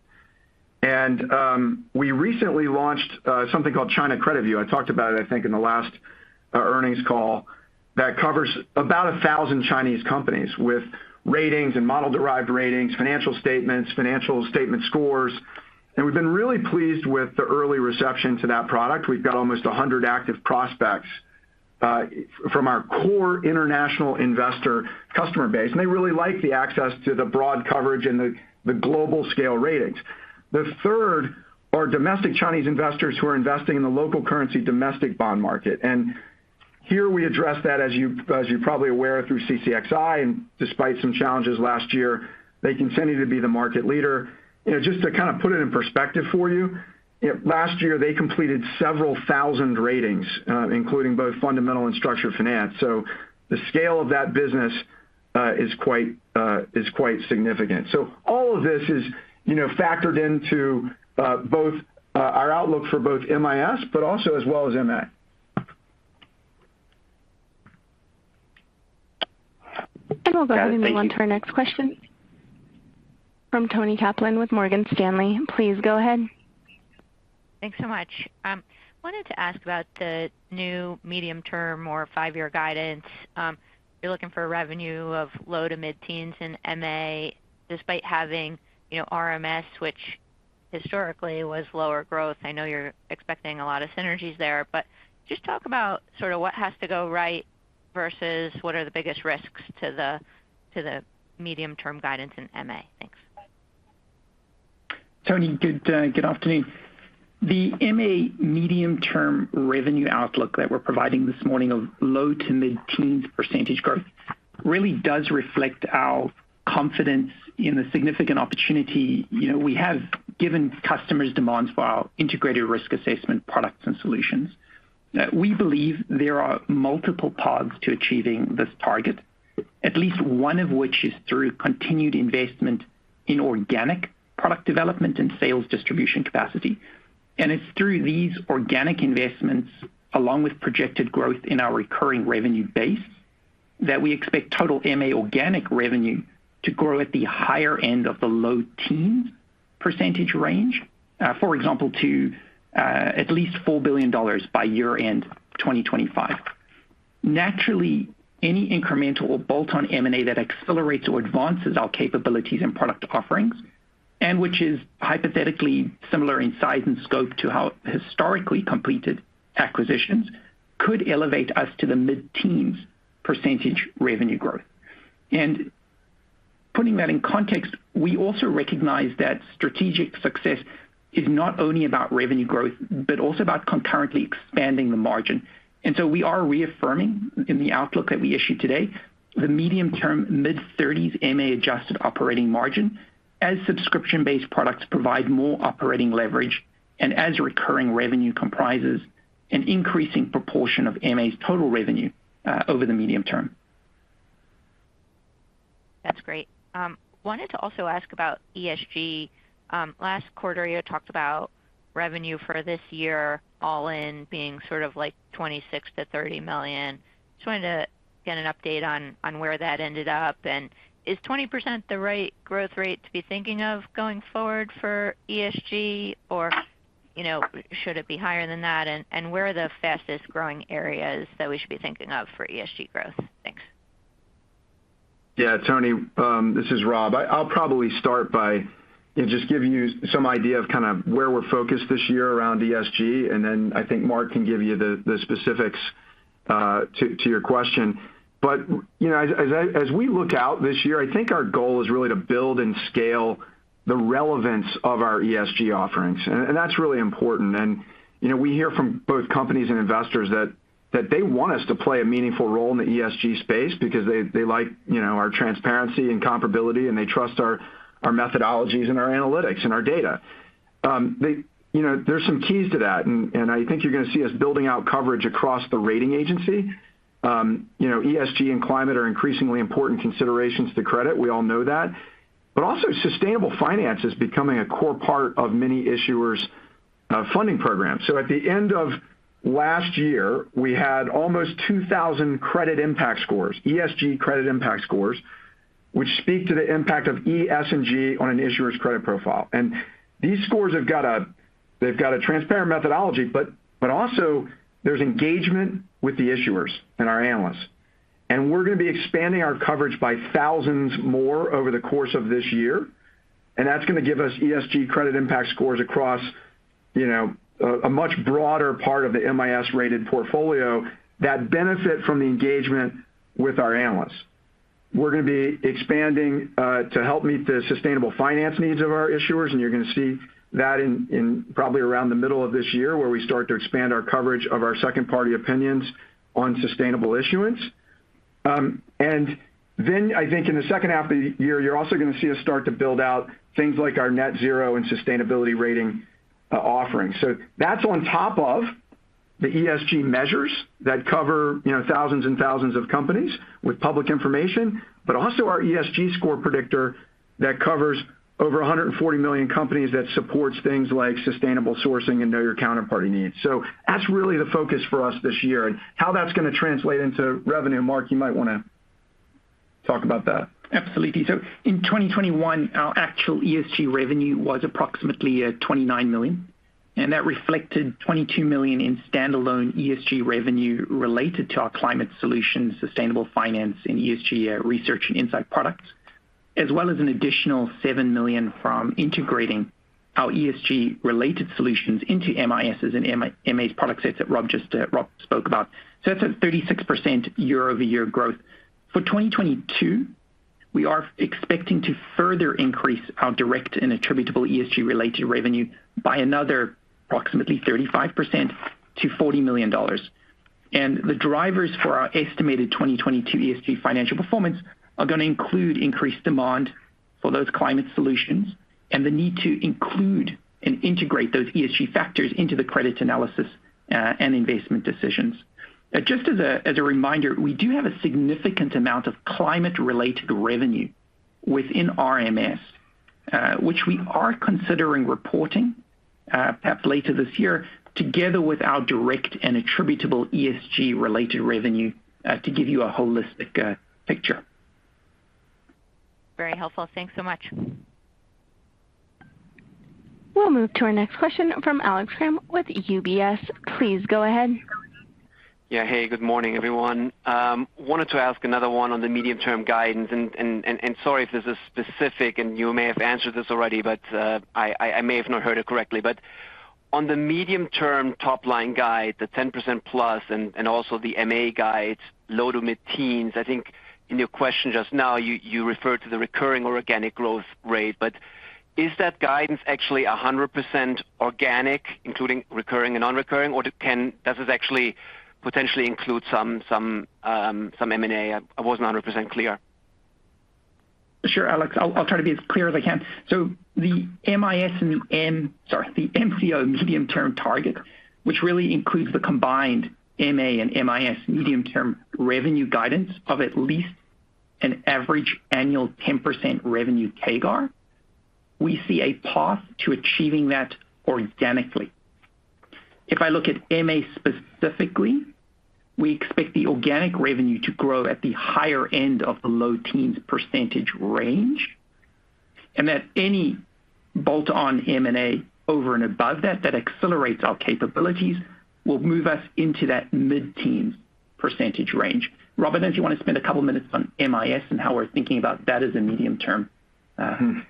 We recently launched something called China CreditView. I talked about it, I think, in the last earnings call, that covers about 1,000 Chinese companies with ratings and model-derived ratings, financial statements, financial statement scores. We've been really pleased with the early reception to that product. We've got almost 100 active prospects from our core international investor customer base, and they really like the access to the broad coverage and the global scale ratings. The third are domestic Chinese investors who are investing in the local currency domestic bond market. Here we address that, as you're probably aware through CCXI, and despite some challenges last year, they continue to be the market leader. You know, just to kind of put it in perspective for you, last year they completed several thousand ratings, including both fundamental and structured finance. The scale of that business is quite significant. All of this is, you know, factored into both our outlook for both MIS but also as well as MA. We'll go ahead and move on to our next question from Toni Kaplan with Morgan Stanley. Please go ahead. Thanks so much. Wanted to ask about the new medium-term or five-year guidance. You're looking for a revenue of low- to mid-teens in MA despite having, you know, RMS, which historically was lower growth. I know you're expecting a lot of synergies there, but just talk about sort of what has to go right versus what are the biggest risks to the medium-term guidance in MA. Thanks. Toni, good afternoon. The MA medium-term revenue outlook that we're providing this morning of low- to mid-teens % growth really does reflect our confidence in the significant opportunity, you know, we have given customers' demands for our integrated risk assessment products and solutions. We believe there are multiple paths to achieving this target, at least one of which is through continued investment in organic product development and sales distribution capacity. It's through these organic investments, along with projected growth in our recurring revenue base, that we expect total MA organic revenue to grow at the higher end of the low-teens % range, for example, to at least $4 billion by year-end 2025. Naturally, any incremental bolt-on M&A that accelerates or advances our capabilities and product offerings, and which is hypothetically similar in size and scope to how historically completed acquisitions could elevate us to the mid-teens percentage revenue growth. And putting that in context, we also recognize that strategic success is not only about revenue growth, but also about concurrently expanding the margin. We are reaffirming in the outlook that we issued today the medium-term mid-thirties MA adjusted operating margin as subscription-based products provide more operating leverage and as recurring revenue comprises an increasing proportion of MA's total revenue, over the medium term. That's great. I wanted to also ask about ESG. Last quarter you had talked about revenue for this year all in being sort of like $26 million-$30 million. I just wanted to get an update on where that ended up. Is 20% the right growth rate to be thinking of going forward for ESG? Or, you know, should it be higher than that? Where are the fastest-growing areas that we should be thinking of for ESG growth? Thanks. Yeah, Toni, this is Rob. I'll probably start by just giving you some idea of kind of where we're focused this year around ESG, and then I think Mark can give you the specifics to your question. You know, as we look out this year, I think our goal is really to build and scale the relevance of our ESG offerings. That's really important. You know, we hear from both companies and investors that they want us to play a meaningful role in the ESG space because they like, you know, our transparency and comparability and they trust our methodologies and our analytics and our data. You know, there's some keys to that, and I think you're going to see us building out coverage across the rating agency. You know, ESG and climate are increasingly important considerations to credit. We all know that. Also sustainable finance is becoming a core part of many issuers' funding programs. At the end of last year, we had almost 2,000 credit impact scores, ESG credit impact scores, which speak to the impact of E, S, and G on an issuer's credit profile. These scores have got a transparent methodology, but also there's engagement with the issuers and our analysts. We're gonna be expanding our coverage by thousands more over the course of this year, and that's gonna give us ESG credit impact scores across, you know, a much broader part of the MIS rated portfolio that benefit from the engagement with our analysts. We're gonna be expanding to help meet the sustainable finance needs of our issuers, and you're gonna see that in probably around the middle of this year where we start to expand our coverage of our second-party opinions on sustainable issuance. And then I think in the second half of the year, you're also gonna see us start to build out things like our net zero and sustainability rating offering. So that's on top of the ESG measures that cover, you know, thousands and thousands of companies with public information, but also our ESG score predictor that covers over 140 million companies that supports things like sustainable sourcing and know your counterparty needs. So that's really the focus for us this year. How that's gonna translate into revenue, Mark, you might wanna talk about that. Absolutely. In 2021, our actual ESG revenue was approximately $29 million, and that reflected $22 million in standalone ESG revenue related to our climate solution, sustainable finance and ESG research and insight products. As well as an additional $7 million from integrating our ESG related solutions into MIS and MA product sets that Rob just spoke about. That's a 36% year-over-year growth. For 2022, we are expecting to further increase our direct and attributable ESG related revenue by another approximately 35% to $40 million. The drivers for our estimated 2022 ESG financial performance are gonna include increased demand for those climate solutions and the need to include and integrate those ESG factors into the credit analysis and investment decisions. Now, just as a reminder, we do have a significant amount of climate-related revenue within RMS, which we are considering reporting, perhaps later this year, together with our direct and attributable ESG-related revenue, to give you a holistic picture. Very helpful. Thanks so much. We'll move to our next question from Alex Kramm with UBS. Please go ahead. Yeah. Hey, good morning, everyone. Wanted to ask another one on the medium-term guidance. Sorry if this is specific, and you may have answered this already, but I may have not heard it correctly. On the medium-term top line guide, the 10%+, and also the M&A guide low- to mid-teens. I think in your question just now, you referred to the recurring or organic growth rate. Is that guidance actually 100% organic, including recurring and non-recurring, or does this actually potentially include some M&A? I wasn't 100% clear. Sure, Alex, I'll try to be as clear as I can. So, the MIS and the MCO medium-term target, which really includes the combined MA and MIS medium-term revenue guidance of at least an average annual 10% revenue CAGR, we see a path to achieving that organically. If I look at MA specifically, we expect the organic revenue to grow at the higher end of the low teens percentage range, and that any bolt-on M&A over and above that accelerates our capabilities will move us into that mid-teen percentage range. Robert, unless you want to spend a couple minutes on MIS and how we're thinking about that as a medium term. That's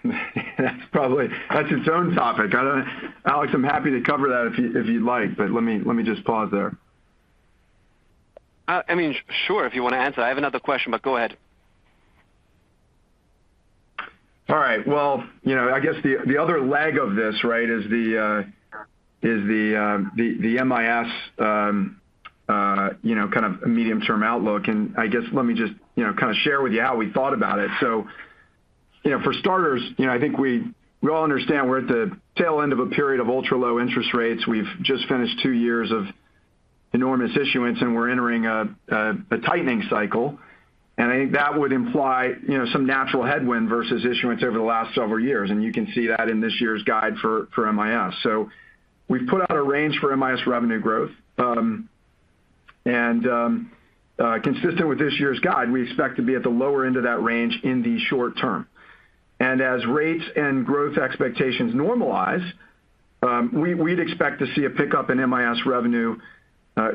its own topic. Alex, I'm happy to cover that if you, if you'd like, but let me just pause there. I mean, sure, if you want to answer. I have another question, but go ahead. All right. Well, you know, I guess the other leg of this, right, is the MIS, you know, kind of medium-term outlook. I guess let me just, you know, kind of share with you how we thought about it. You know, for starters, you know, I think we all understand we're at the tail end of a period of ultra low interest rates. We've just finished two years of enormous issuance, and we're entering a tightening cycle. I think that would imply, you know, some natural headwind versus issuance over the last several years. You can see that in this year's guide for MIS. We've put out a range for MIS revenue growth. Consistent with this year's guide, we expect to be at the lower end of that range in the short term. As rates and growth expectations normalize, we'd expect to see a pickup in MIS revenue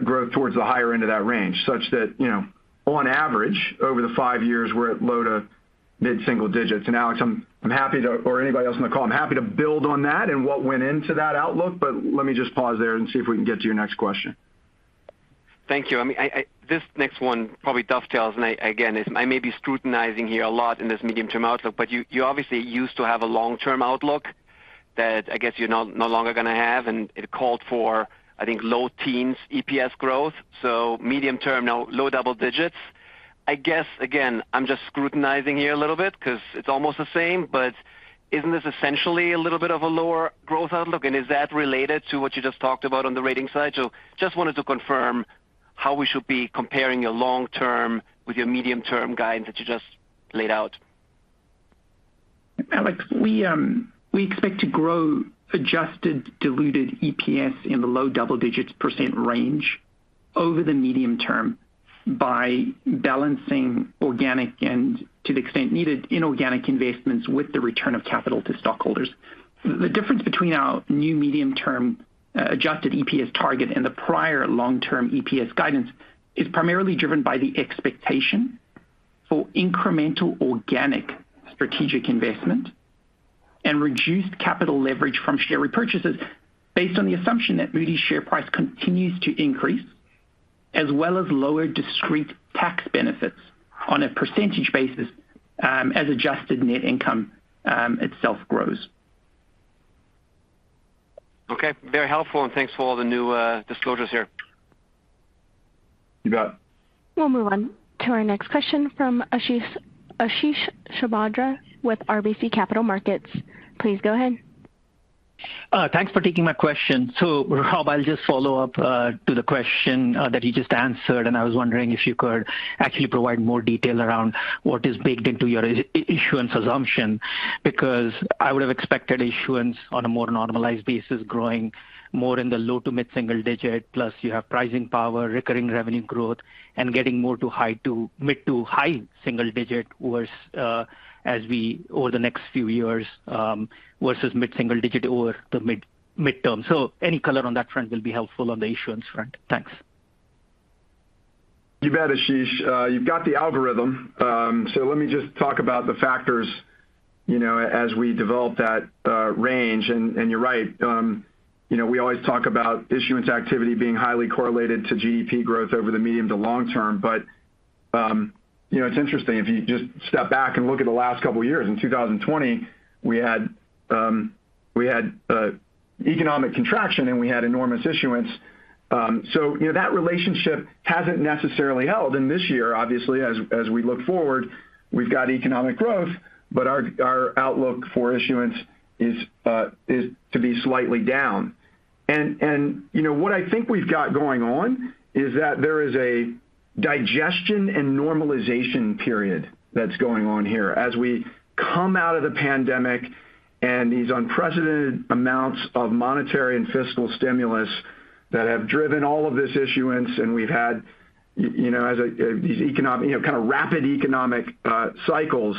growth towards the higher end of that range, such that, you know, on average over the five years we're at low to mid-single digits. Alex, I'm happy to, or anybody else on the call, I'm happy to build on that and what went into that outlook, but let me just pause there and see if we can get to your next question. Thank you. I mean, this next one probably dovetails, and again, I may be scrutinizing here a lot in this medium term outlook, but you obviously used to have a long-term outlook that I guess you're no longer gonna have, and it called for, I think, low teens EPS growth, so medium term now low double digits. I guess, again, I'm just scrutinizing here a little bit because it's almost the same, but isn't this essentially a little bit of a lower growth outlook? Is that related to what you just talked about on the rating side? I just wanted to confirm how we should be comparing your long term with your medium term guidance that you just laid out. Alex, we expect to grow adjusted diluted EPS in the low double-digits % range over the medium term by balancing organic and, to the extent needed, inorganic investments with the return of capital to stockholders. The difference between our new medium term adjusted EPS target and the prior long term EPS guidance is primarily driven by the expectation for incremental organic strategic investment and reduced capital leverage from share repurchases based on the assumption that Moody's share price continues to increase, as well as lower discrete tax benefits on a percentage basis as adjusted net income itself grows. Okay. Very helpful, and thanks for all the new disclosures here. You bet. We'll move on to our next question from Ashish Sabadra with RBC Capital Markets. Please go ahead. Thanks for taking my question. Rob, I'll just follow up to the question that you just answered, and I was wondering if you could actually provide more detail around what is baked into your issuance assumption. Because I would have expected issuance on a more normalized basis growing more in the low- to mid-single-digit, plus you have pricing power, recurring revenue growth, and getting more to high- to mid- to high-single-digit growth as we go over the next few years versus mid-single-digit over the mid- to long-term. Any color on that front will be helpful on the issuance front. Thanks. You bet, Ashish. You've got the algorithm. Let me just talk about the factors, you know, as we develop that range. You're right, you know, we always talk about issuance activity being highly correlated to GDP growth over the medium to long term. It's interesting, if you just step back and look at the last couple of years, in 2020, we had economic contraction, and we had enormous issuance. That relationship hasn't necessarily held. This year, obviously, as we look forward, we've got economic growth, but our outlook for issuance is to be slightly down. You know, what I think we've got going on is that there is a digestion and normalization period that's going on here as we come out of the pandemic and these unprecedented amounts of monetary and fiscal stimulus that have driven all of this issuance. We've had, you know, these economic, you know, kind of rapid economic cycles.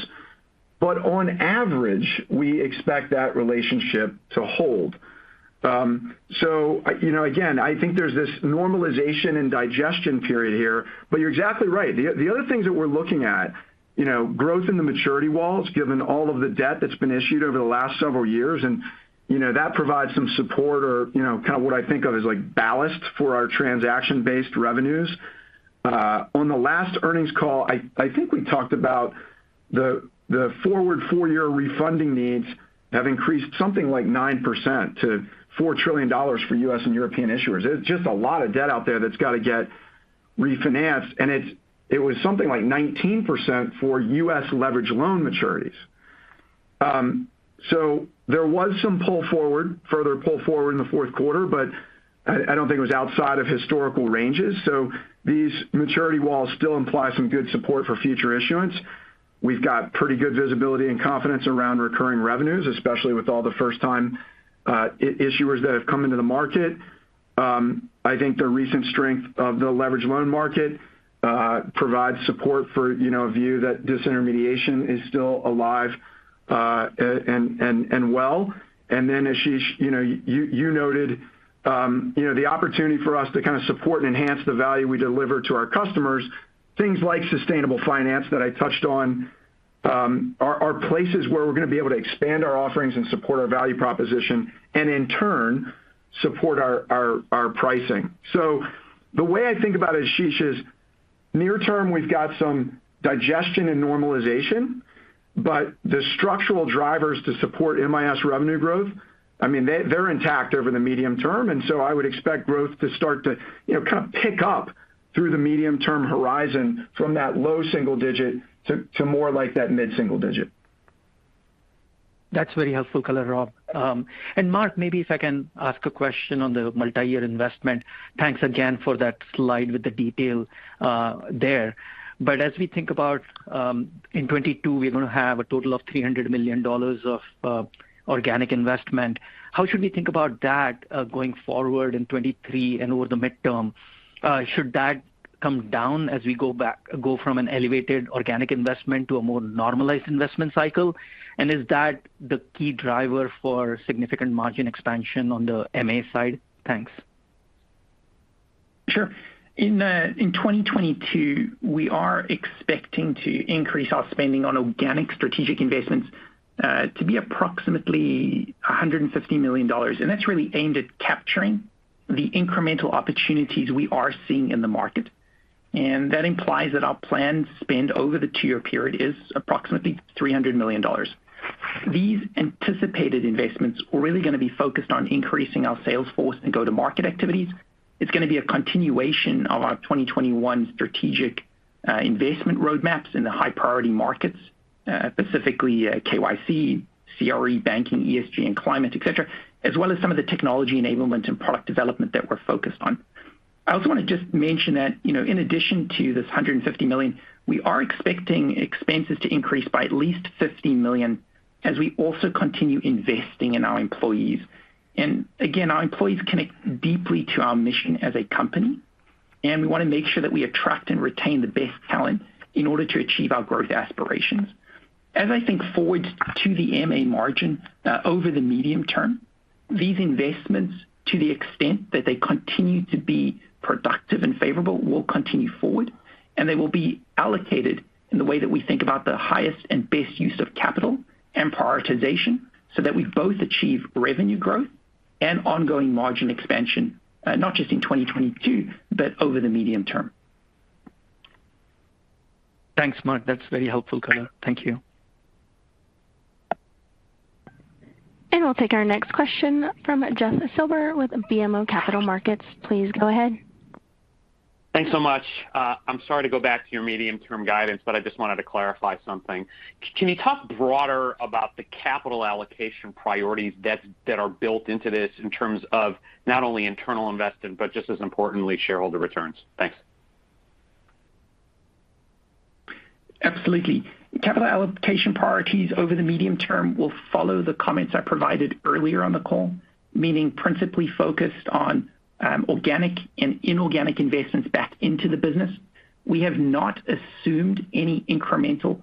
On average, we expect that relationship to hold. You know, again, I think there's this normalization and digestion period here. You're exactly right. The other things that we're looking at, you know, growth in the maturity walls, given all of the debt that's been issued over the last several years. You know, that provides some support or, you know, kind of what I think of as like ballast for our transaction-based revenues. On the last earnings call, I think we talked about the forward four-year refunding needs have increased something like 9% to $4 trillion for U.S. and European issuers. There's just a lot of debt out there that's got to get refinanced, and it was something like 19% for U.S. leverage loan maturities. There was some pull forward, further pull forward in the fourth quarter, but I don't think it was outside of historical ranges. These maturity walls still imply some good support for future issuance. We've got pretty good visibility and confidence around recurring revenues, especially with all the first time issuers that have come into the market. I think the recent strength of the leverage loan market provides support for, you know, a view that disintermediation is still alive and well. Then Ashish Sabadra, you know, you noted, you know, the opportunity for us to kind of support and enhance the value we deliver to our customers, things like sustainable finance that I touched on are places where we're going to be able to expand our offerings and support our value proposition and in turn support our pricing. The way I think about it, Ashish Sabadra, is near term, we've got some digestion and normalization, but the structural drivers to support MIS revenue growth, I mean they're intact over the medium term. I would expect growth to start to, you know, kind of pick up through the medium term horizon from that low single digit to more like that mid-single digit. That's very helpful color, Rob. Mark, maybe if I can ask a question on the multi-year investment. Thanks again for that slide with the detail, there. As we think about, in 2022, we're going to have a total of $300 million of organic investment. How should we think about that, going forward in 2023 and over the midterm? Should that come down as we go from an elevated organic investment to a more normalized investment cycle? Is that the key driver for significant margin expansion on the MA side? Thanks. Sure. In 2022, we are expecting to increase our spending on organic strategic investments to be approximately $150 million. That's really aimed at capturing the incremental opportunities we are seeing in the market. That implies that our planned spend over the two-year period is approximately $300 million. These anticipated investments are really going to be focused on increasing our sales force and go-to-market activities. It's going to be a continuation of our 2021 strategic investment roadmaps in the high priority markets, specifically KYC, CRE banking, ESG and climate, etc., as well as some of the technology enablement and product development that we're focused on. I also want to just mention that, you know, in addition to this $150 million, we are expecting expenses to increase by at least $50 million as we also continue investing in our employees. Our employees connect deeply to our mission as a company, and we want to make sure that we attract and retain the best talent in order to achieve our growth aspirations. As I think forward to the MA margin over the medium term, these investments, to the extent that they continue to be productive and favorable, will continue forward. They will be allocated in the way that we think about the highest and best use of capital and prioritization, so that we both achieve revenue growth and ongoing margin expansion, not just in 2022, but over the medium term. Thanks, Mark. That's very helpful color. Thank you. We'll take our next question from Jeffrey Silber with BMO Capital Markets. Please go ahead. Thanks so much. I'm sorry to go back to your medium-term guidance, but I just wanted to clarify something. Can you talk broader about the capital allocation priorities that are built into this in terms of not only internal investment, but just as importantly, shareholder returns? Thanks. Absolutely. Capital allocation priorities over the medium term will follow the comments I provided earlier on the call, meaning principally focused on organic and inorganic investments back into the business. We have not assumed any incremental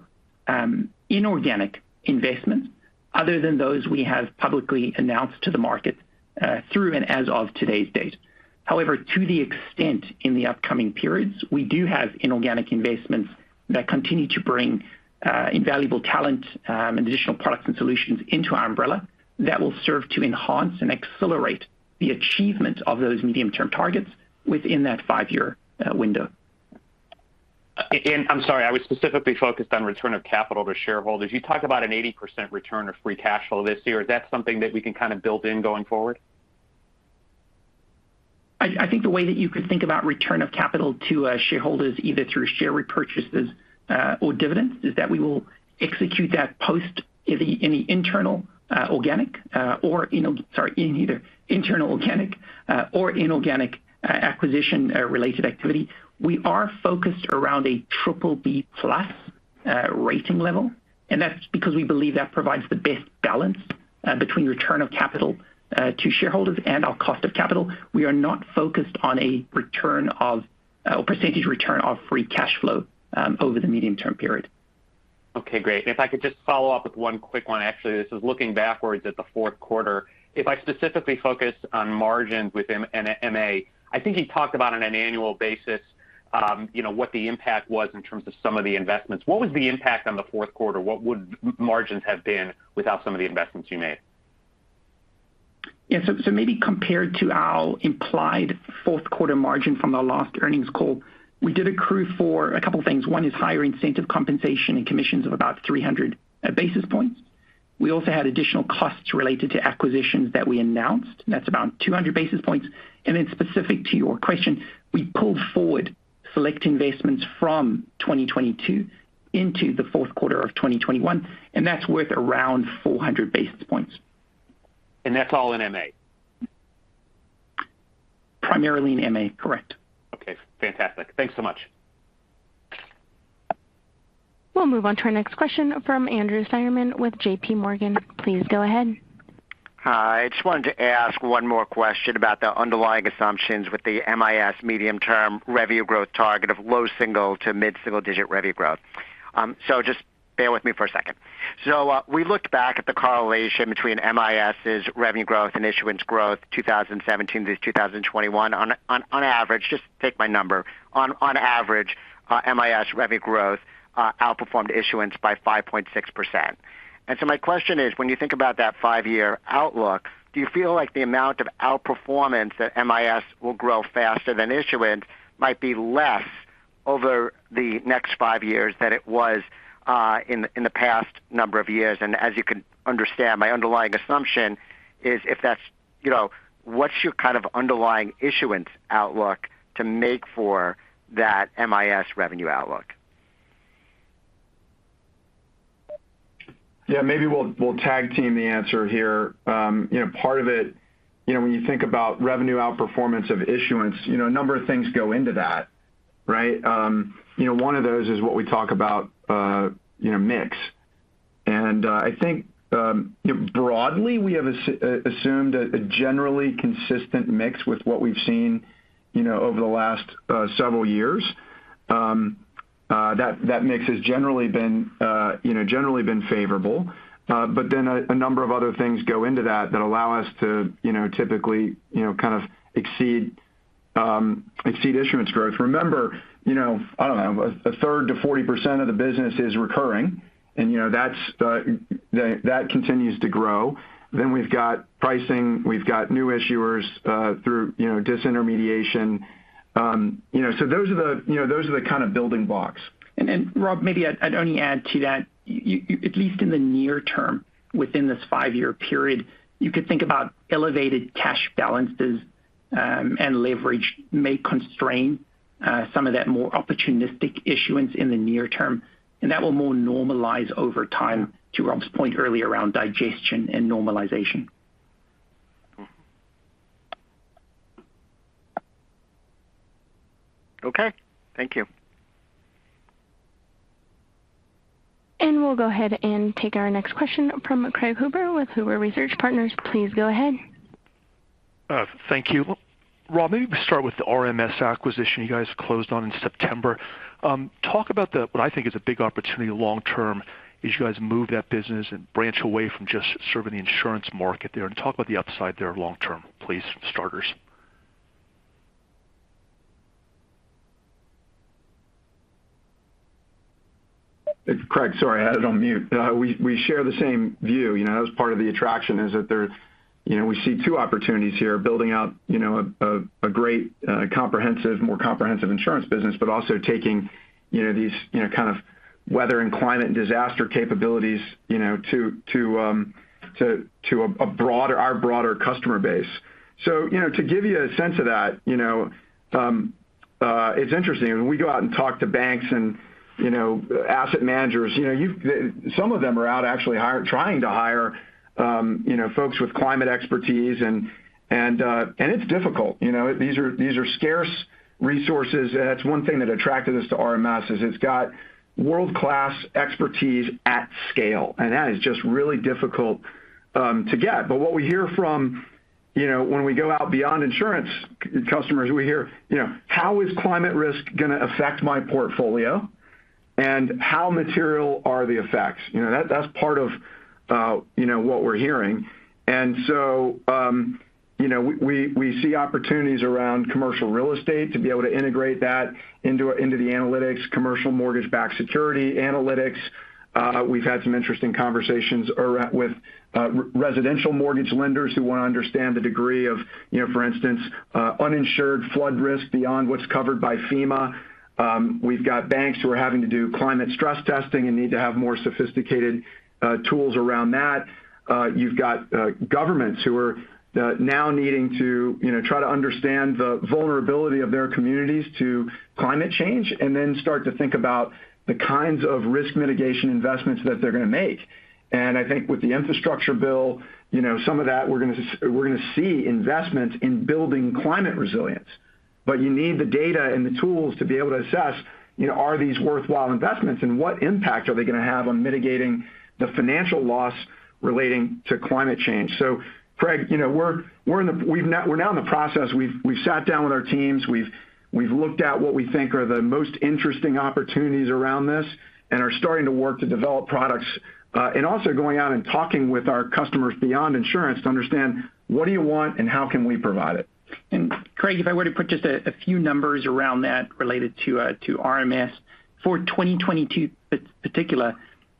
inorganic investment other than those we have publicly announced to the market through and as of today's date. However, to the extent in the upcoming periods, we do have inorganic investments that continue to bring invaluable talent and additional products and solutions into our umbrella that will serve to enhance and accelerate the achievement of those medium-term targets within that five-year window. I'm sorry, I was specifically focused on return of capital to shareholders. You talked about an 80% return of free cash flow this year. Is that something that we can kind of build in going forward? I think the way that you could think about return of capital to shareholders, either through share repurchases or dividends, is that we will execute that post any either organic or inorganic acquisition or related activity. We are focused around a BBB+ rating level, and that's because we believe that provides the best balance between return of capital to shareholders and our cost of capital. We are not focused on a return or percentage return of free cash flow over the medium-term period. Okay, great. If I could just follow up with one quick one, actually. This is looking backwards at the fourth quarter. If I specifically focus on margins within non-MA, I think you talked about on an annual basis, you know, what the impact was in terms of some of the investments. What was the impact on the fourth quarter? What would margins have been without some of the investments you made? Maybe compared to our implied fourth quarter margin from our last earnings call, we did accrue for a couple things. One is higher incentive compensation and commissions of about 300 basis points. We also had additional costs related to acquisitions that we announced, and that's about 200 basis points. Specific to your question, we pulled forward select investments from 2022 into the fourth quarter of 2021, and that's worth around 400 basis points. That's all in MA? Primarily in MA, correct. Okay, fantastic. Thanks so much. We'll move on to our next question from Andrew Steinerman with JPMorgan. Please go ahead. Hi, I just wanted to ask one more question about the underlying assumptions with the MIS medium-term revenue growth target of low single- to mid-single-digit revenue growth. Just bear with me for a second. We looked back at the correlation between MIS' revenue growth and issuance growth, 2017 through 2021. On average, just take my number. On average, MIS revenue growth outperformed issuance by 5.6%. My question is, when you think about that five-year outlook, do you feel like the amount of outperformance that MIS will grow faster than issuance might be less over the next five years than it was in the past number of years? As you can understand, my underlying assumption is if that's, you know, what's your kind of underlying issuance outlook to make for that MIS revenue outlook? Yeah, maybe we'll tag team the answer here. You know, part of it, you know, when you think about revenue outperformance of issuance, you know, a number of things go into that, right? You know, one of those is what we talk about, you know, mix. I think, you know, broadly, we have assumed a generally consistent mix with what we've seen, you know, over the last several years. That mix has generally been favorable. But then a number of other things go into that that allow us to, you know, typically, you know, kind of exceed issuance growth. Remember, you know, I don't know, a third to 40% of the business is recurring and, you know, that continues to grow. We've got pricing, we've got new issuers, through, you know, disintermediation. You know, those are the, you know, those are the kind of building blocks. Rob, maybe I'd only add to that. At least in the near term, within this five-year period, you could think about elevated cash balances, and leverage may constrain some of that more opportunistic issuance in the near term, and that will more normalize over time, to Rob's point earlier, around digestion and normalization. Okay. Thank you. We'll go ahead and take our next question from Craig Huber with Huber Research Partners. Please go ahead. Thank you. Rob, maybe we start with the RMS acquisition you guys closed on in September. Talk about what I think is a big opportunity long term as you guys move that business and branch away from just serving the insurance market there, and talk about the upside there long term, please, for starters. Craig, sorry, I had it on mute. We share the same view. You know, that was part of the attraction, is that there. You know, we see two opportunities here, building out, you know, a great comprehensive, more comprehensive insurance business, but also taking, you know, these, you know, kind of weather and climate and disaster capabilities, you know, to our broader customer base. You know, to give you a sense of that, you know, it's interesting. When we go out and talk to banks and, you know, asset managers, you know, some of them are actually trying to hire, you know, folks with climate expertise and it's difficult. You know, these are scarce resources. That's one thing that attracted us to RMS, is it's got world-class expertise at scale, and that is just really difficult to get. What we hear from, you know, when we go out beyond insurance customers, we hear, you know, "How is climate risk gonna affect my portfolio, and how material are the effects?" You know, that's part of, you know, what we're hearing. We see opportunities around commercial real estate to be able to integrate that into the analytics, commercial mortgage-backed security analytics. We've had some interesting conversations with residential mortgage lenders who wanna understand the degree of, you know, for instance, uninsured flood risk beyond what's covered by FEMA. We've got banks who are having to do climate stress testing and need to have more sophisticated tools around that. You've got governments who are now needing to, you know, try to understand the vulnerability of their communities to climate change and then start to think about the kinds of risk mitigation investments that they're gonna make. I think with the infrastructure bill, you know, some of that we're gonna see investments in building climate resilience. But you need the data and the tools to be able to assess, you know, are these worthwhile investments and what impact are they gonna have on mitigating the financial loss relating to climate change. Craig, you know, we're in the process. We've sat down with our teams. We've looked at what we think are the most interesting opportunities around this and are starting to work to develop products, and also going out and talking with our customers beyond insurance to understand what do you want and how can we provide it. Craig, if I were to put just a few numbers around that related to RMS. For 2022 in particular,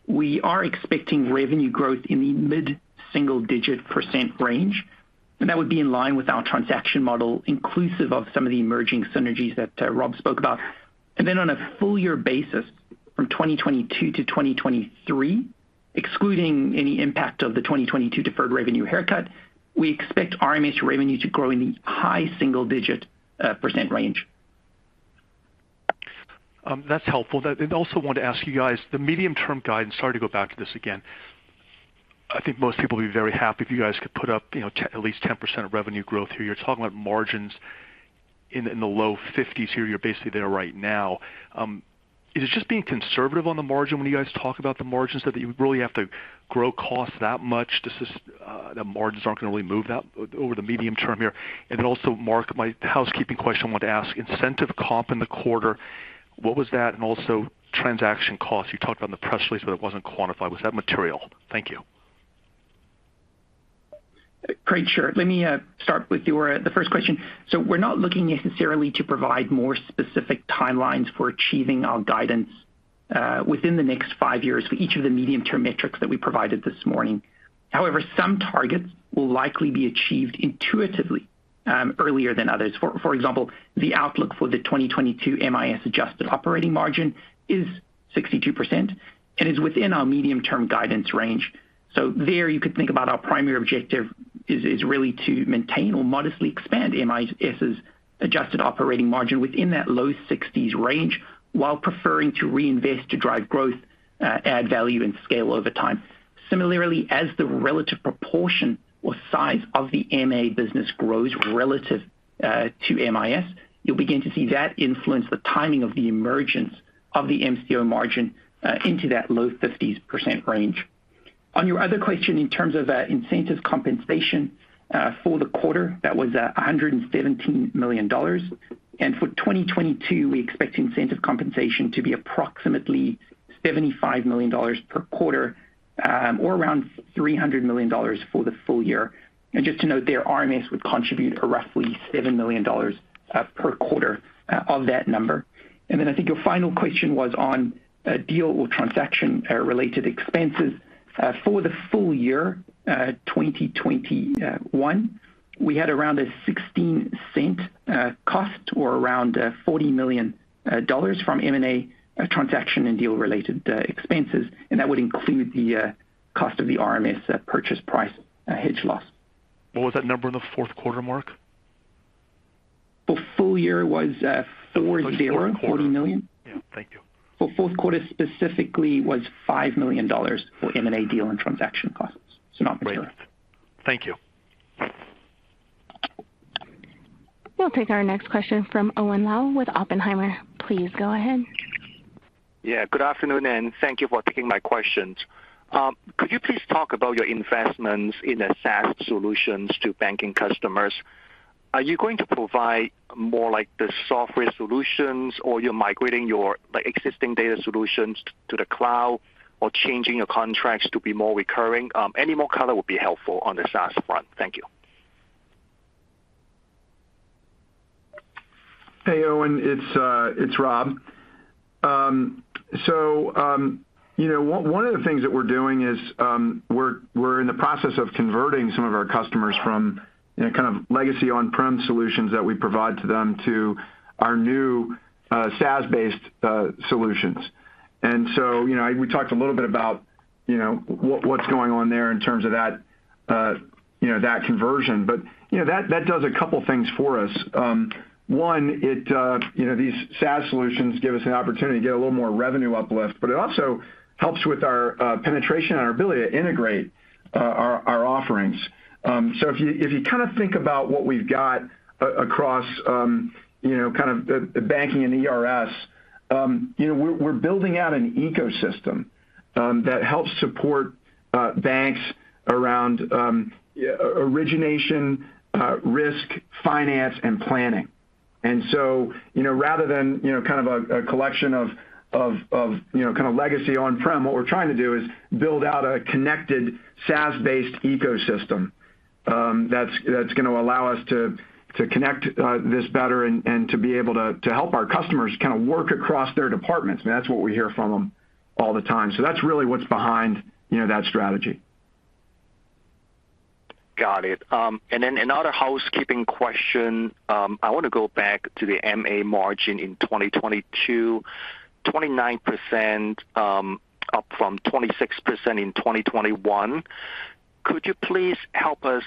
we are expecting revenue growth in the mid-single-digit % range, and that would be in line with our transaction model, inclusive of some of the emerging synergies that Rob spoke about. Then on a full year basis from 2022 to 2023, excluding any impact of the 2022 deferred revenue haircut, we expect RMS revenue to grow in the high single-digit % range. That's helpful. Also wanted to ask you guys, the medium-term guidance, sorry to go back to this again. I think most people will be very happy if you guys could put up, you know, at least 10% of revenue growth here. You're talking about margins in the low 50s% here. You're basically there right now. Is it just being conservative on the margin when you guys talk about the margins, that you really have to grow costs that much? This is. The margins aren't gonna really move that over the medium term here. Also Mark, my housekeeping question I want to ask, incentive comp in the quarter, what was that? Also transaction costs. You talked on the press release, but it wasn't quantified. Was that material? Thank you. Craig, sure. Let me start with your the first question. We're not looking necessarily to provide more specific timelines for achieving our guidance within the next five years for each of the medium-term metrics that we provided this morning. However, some targets will likely be achieved intuitively earlier than others. For example, the outlook for the 2022 MIS adjusted operating margin is 62% and is within our medium-term guidance range. There you could think about our primary objective is really to maintain or modestly expand MIS's adjusted operating margin within that low 60s range while preferring to reinvest to drive growth, add value and scale over time. Similarly, as the relative proportion or size of the MA business grows relative to MIS, you'll begin to see that influence the timing of the emergence of the MCO margin into that low 50s% range. On your other question, in terms of incentive compensation for the quarter, that was $117 million. For 2022, we expect incentive compensation to be approximately $75 million per quarter, or around $300 million for the full year. Just to note there, RMS would contribute roughly $7 million per quarter of that number. Then I think your final question was on deal with transaction related expenses. For the full year 2021, we had around a $0.16 cost or around $40 million from M&A transaction and deal related expenses, and that would include the cost of the RMS purchase price hedge loss. What was that number in the fourth quarter, Mark? The full year was 40. Fourth quarter. $40 million. Yeah. Thank you. For fourth quarter specifically was $5 million for M&A deal and transaction costs. So not material. Great. Thank you. We'll take our next question from Owen Lau with Oppenheimer. Please go ahead. Yeah, good afternoon, and thank you for taking my questions. Could you please talk about your investments in the SaaS solutions to banking customers? Are you going to provide more like the software solutions or you're migrating your, like, existing data solutions to the cloud or changing your contracts to be more recurring? Any more color will be helpful on the SaaS front. Thank you. Hey, Owen, it's Rob. You know, one of the things that we're doing is we're in the process of converting some of our customers from, you know, kind of legacy on-prem solutions that we provide to them to our new SaaS-based solutions. You know, we talked a little bit about, you know, what's going on there in terms of that, you know, that conversion. You know, that does a couple things for us. One, it, you know, these SaaS solutions give us an opportunity to get a little more revenue uplift, but it also helps with our penetration and our ability to integrate our offerings. If you kind of think about what we've got across, you know, kind of the banking and ERS, you know, we're building out an ecosystem that helps support banks around origination, risk, finance, and planning. You know, rather than, you know, kind of a collection of, you know, kind of legacy on-prem, what we're trying to do is build out a connected SaaS-based ecosystem, that's gonna allow us to connect this better and to be able to help our customers kind of work across their departments. That's what we hear from them all the time. That's really what's behind, you know, that strategy. Got it. Another housekeeping question. I wanna go back to the MA margin in 2022, 29%, up from 26% in 2021. Could you please help us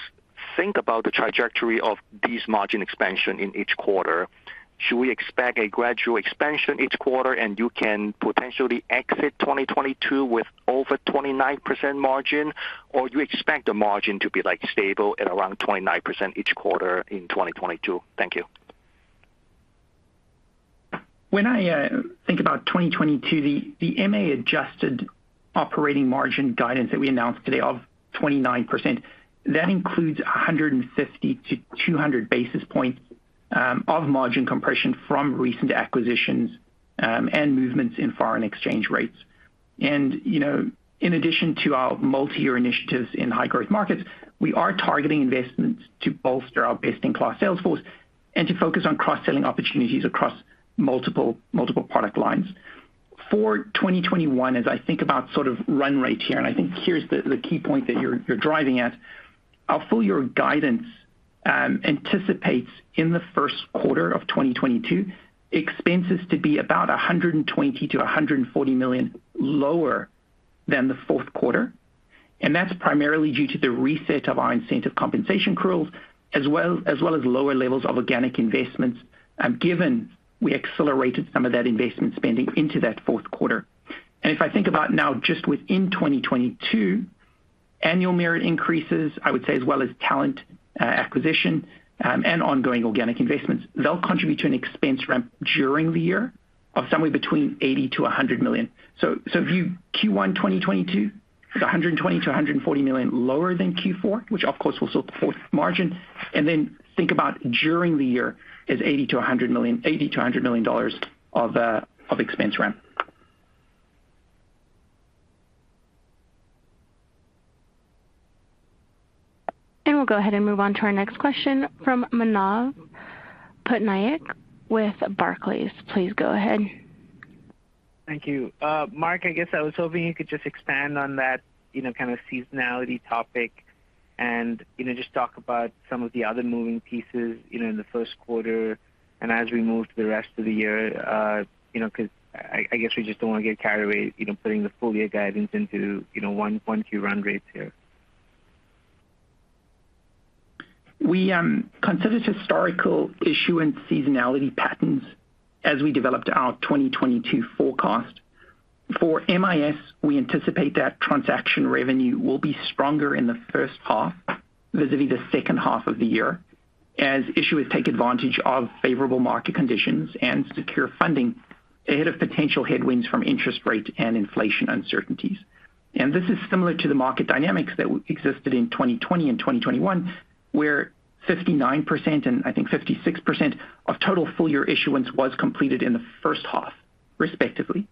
think about the trajectory of this margin expansion in each quarter? Should we expect a gradual expansion each quarter, and you can potentially exit 2022 with over 29% margin, or you expect the margin to be, like, stable at around 29% each quarter in 2022? Thank you. When I think about 2022, the MA adjusted operating margin guidance that we announced today of 29%, that includes 150 to 200 basis points of margin compression from recent acquisitions and movements in foreign exchange rates. You know, in addition to our multi-year initiatives in high growth markets, we are targeting investments to bolster our best-in-class sales force and to focus on cross-selling opportunities across multiple product lines. For 2021, as I think about sort of run rates here, and I think here's the key point that you're driving at. Our full year guidance anticipates in the first quarter of 2022 expenses to be about $120 million-$140 million lower than the fourth quarter, and that's primarily due to the reset of our incentive compensation accruals as well as lower levels of organic investments, given we accelerated some of that investment spending into that fourth quarter. If I think about now just within 2022, annual merit increases, I would say, as well as talent acquisition and ongoing organic investments, they'll contribute to an expense ramp during the year of somewhere between $80 million-$100 million. If Q1 2022 is $120 million-$140 million lower than Q4, which of course will support margin, and then think about during the year is $80 million-$100 million of expense ramp. We'll go ahead and move on to our next question from Manav Patnaik with Barclays. Please go ahead. Thank you. Mark, I guess I was hoping you could just expand on that, you know, kind of seasonality topic and, you know, just talk about some of the other moving pieces, you know, in the first quarter and as we move to the rest of the year, you know, 'cause I guess we just don't wanna get carried away, you know, putting the full year guidance into, you know, one Q run rates here. We considered historical issuance seasonality patterns as we developed our 2022 forecast. For MIS, we anticipate that transaction revenue will be stronger in the first half vis-a-vis the second half of the year, as issuers take advantage of favorable market conditions and secure funding ahead of potential headwinds from interest rate and inflation uncertainties. This is similar to the market dynamics that existed in 2020 and 2021, where 59%, and I think 56% of total full year issuance was completed in the first half, respectively.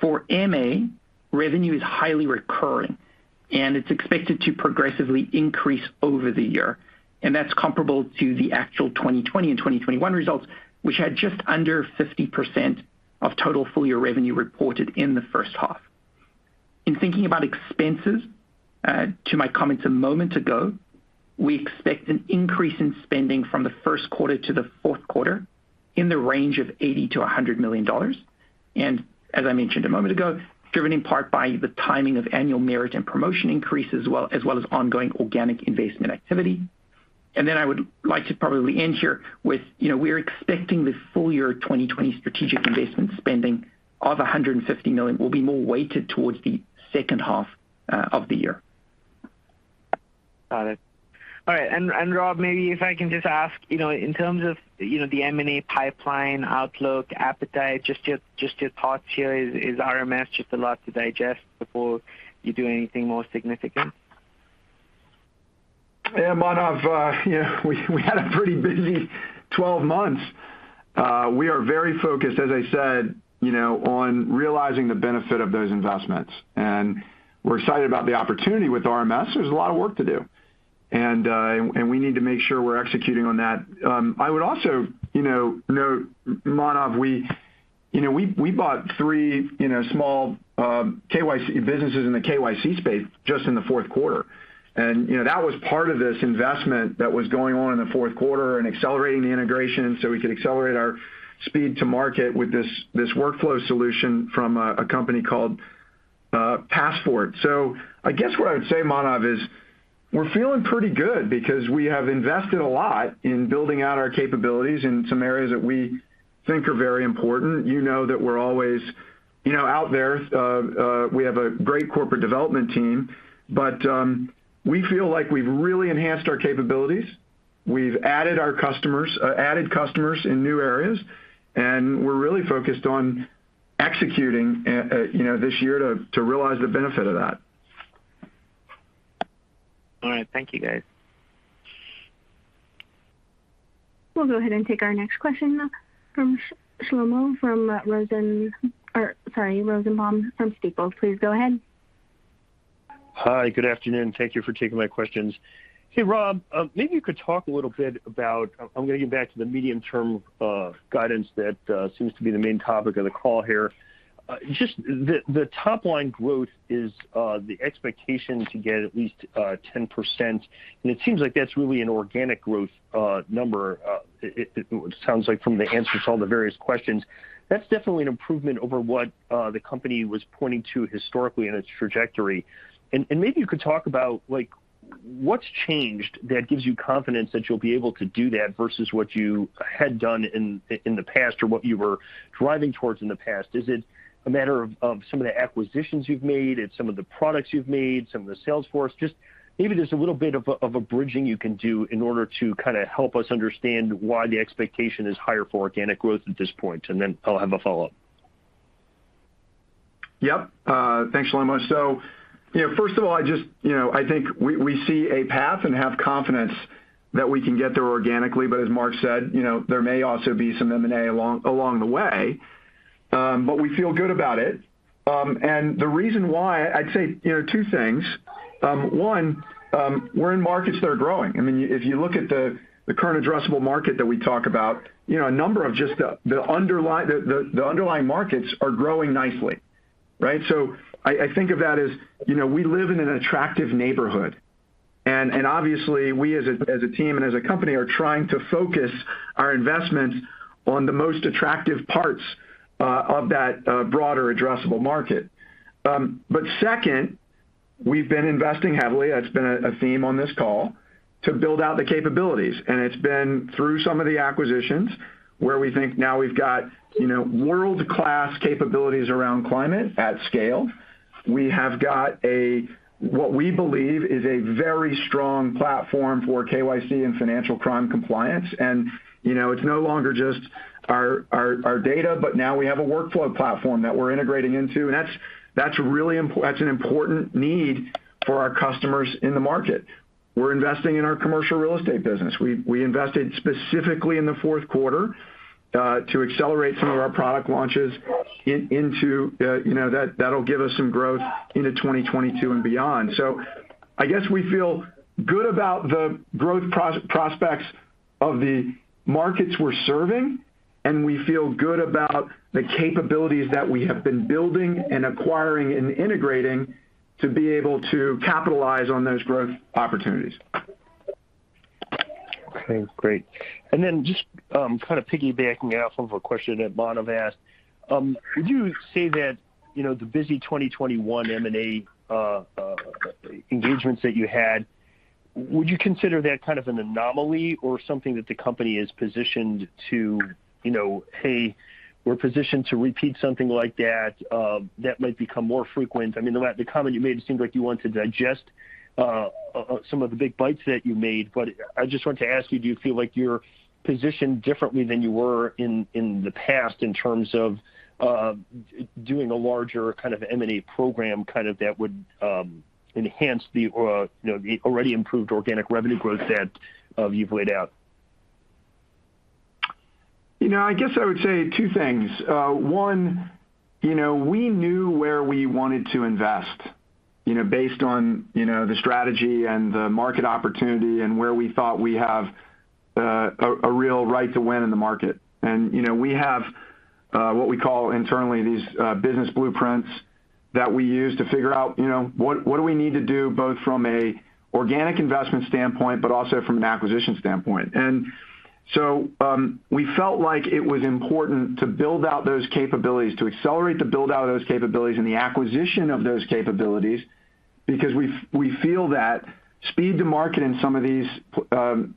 For MA, revenue is highly recurring, and it's expected to progressively increase over the year. That's comparable to the actual 2020 and 2021 results, which had just under 50% of total full year revenue reported in the first half. In thinking about expenses to my comments a moment ago, we expect an increase in spending from the first quarter to the fourth quarter in the range of $80 million-$100 million, as I mentioned a moment ago, driven in part by the timing of annual merit and promotion increase as well as ongoing organic investment activity. I would like to probably end here with, you know, we're expecting the full year 2020 strategic investment spending of $150 million will be more weighted towards the second half of the year. Got it. All right. Rob, maybe if I can just ask, you know, in terms of, you know, the M&A pipeline outlook appetite, just your thoughts here. Is RMS just a lot to digest before you do anything more significant? Yeah, Manav, you know, we had a pretty busy 12 months. We are very focused, as I said, you know, on realizing the benefit of those investments. We're excited about the opportunity with RMS. There's a lot of work to do. We need to make sure we're executing on that. I would also, you know, note, Manav, you know, we bought three, you know, small KYC businesses in the KYC space just in the fourth quarter. You know, that was part of this investment that was going on in the fourth quarter and accelerating the integration so we could accelerate our speed to market with this workflow solution from a company called PassFort. I guess what I would say, Manav, is we're feeling pretty good because we have invested a lot in building out our capabilities in some areas that we think are very important. You know that we're always, you know, out there. We have a great corporate development team, but we feel like we've really enhanced our capabilities. We've added customers in new areas, and we're really focused on executing, you know, this year to realize the benefit of that. All right. Thank you, guys. We'll go ahead and take our next question from Shlomo Rosenbaum from Stifel. Please go ahead. Hi, good afternoon. Thank you for taking my questions. Hey, Rob, maybe you could talk a little bit about. I'm gonna get back to the medium-term guidance that seems to be the main topic of the call here. Just the top-line growth is the expectation to get at least 10%, and it seems like that's really an organic growth number. It sounds like from the answers to all the various questions that's definitely an improvement over what the company was pointing to historically in its trajectory. Maybe you could talk about, like, what's changed that gives you confidence that you'll be able to do that versus what you had done in the past or what you were driving towards in the past. Is it a matter of some of the acquisitions you've made and some of the products you've made, some of the sales force? Just maybe there's a little bit of a bridging you can do in order to kinda help us understand why the expectation is higher for organic growth at this point. Then I'll have a follow-up. Yep. Thanks so much. You know, first of all, I just, you know, I think we see a path and have confidence that we can get there organically, but as Mark said, you know, there may also be some M&A along the way, but we feel good about it. The reason why I'd say, you know, two things. One, we're in markets that are growing. I mean, if you look at the current addressable market that we talk about, you know, a number of just the underlying markets are growing nicely, right? I think of that as, you know, we live in an attractive neighborhood. Obviously, we as a team and as a company are trying to focus our investments on the most attractive parts of that broader addressable market. But second, we've been investing heavily, that's been a theme on this call, to build out the capabilities. And it's been through some of the acquisitions where we think now we've got, you know, world-class capabilities around climate at scale. We have got a what we believe is a very strong platform for KYC and financial crime compliance. And you know, it's no longer just our data, but now we have a workflow platform that we're integrating into. That's really an important need for our customers in the market. We're investing in our Commercial Real Estate business. We invested specifically in the fourth quarter to accelerate some of our product launches into, you know, that'll give us some growth into 2022 and beyond. So, I guess we feel good about the growth prospects of the markets we're serving, and we feel good about the capabilities that we have been building and acquiring and integrating to be able to capitalize on those growth opportunities. Okay, great. Just kind of piggybacking off of a question that Manav Patnaik asked, would you say that, you know, the busy 2021 M&A engagements that you had, would you consider that kind of an anomaly or something that the company is positioned to, you know, "Hey, we're positioned to repeat something like that." That might become more frequent. I mean, the comment you made, it seemed like you want to digest some of the big bites that you made. But I just wanted to ask you, do you feel like you're positioned differently than you were in the past in terms of doing a larger kind of M&A program, kind of that would enhance the, you know, the already improved organic revenue growth that you've laid out? You know, I guess I would say two things. One, you know, we knew where we wanted to invest, you know, based on, you know, the strategy and the market opportunity and where we thought we have a real right to win in the market. You know, we have what we call internally these business blueprints that we use to figure out, you know, what do we need to do both from an organic investment standpoint, but also from an acquisition standpoint. We felt like it was important to build out those capabilities, to accelerate the build out of those capabilities and the acquisition of those capabilities because we feel that speed to market in some of these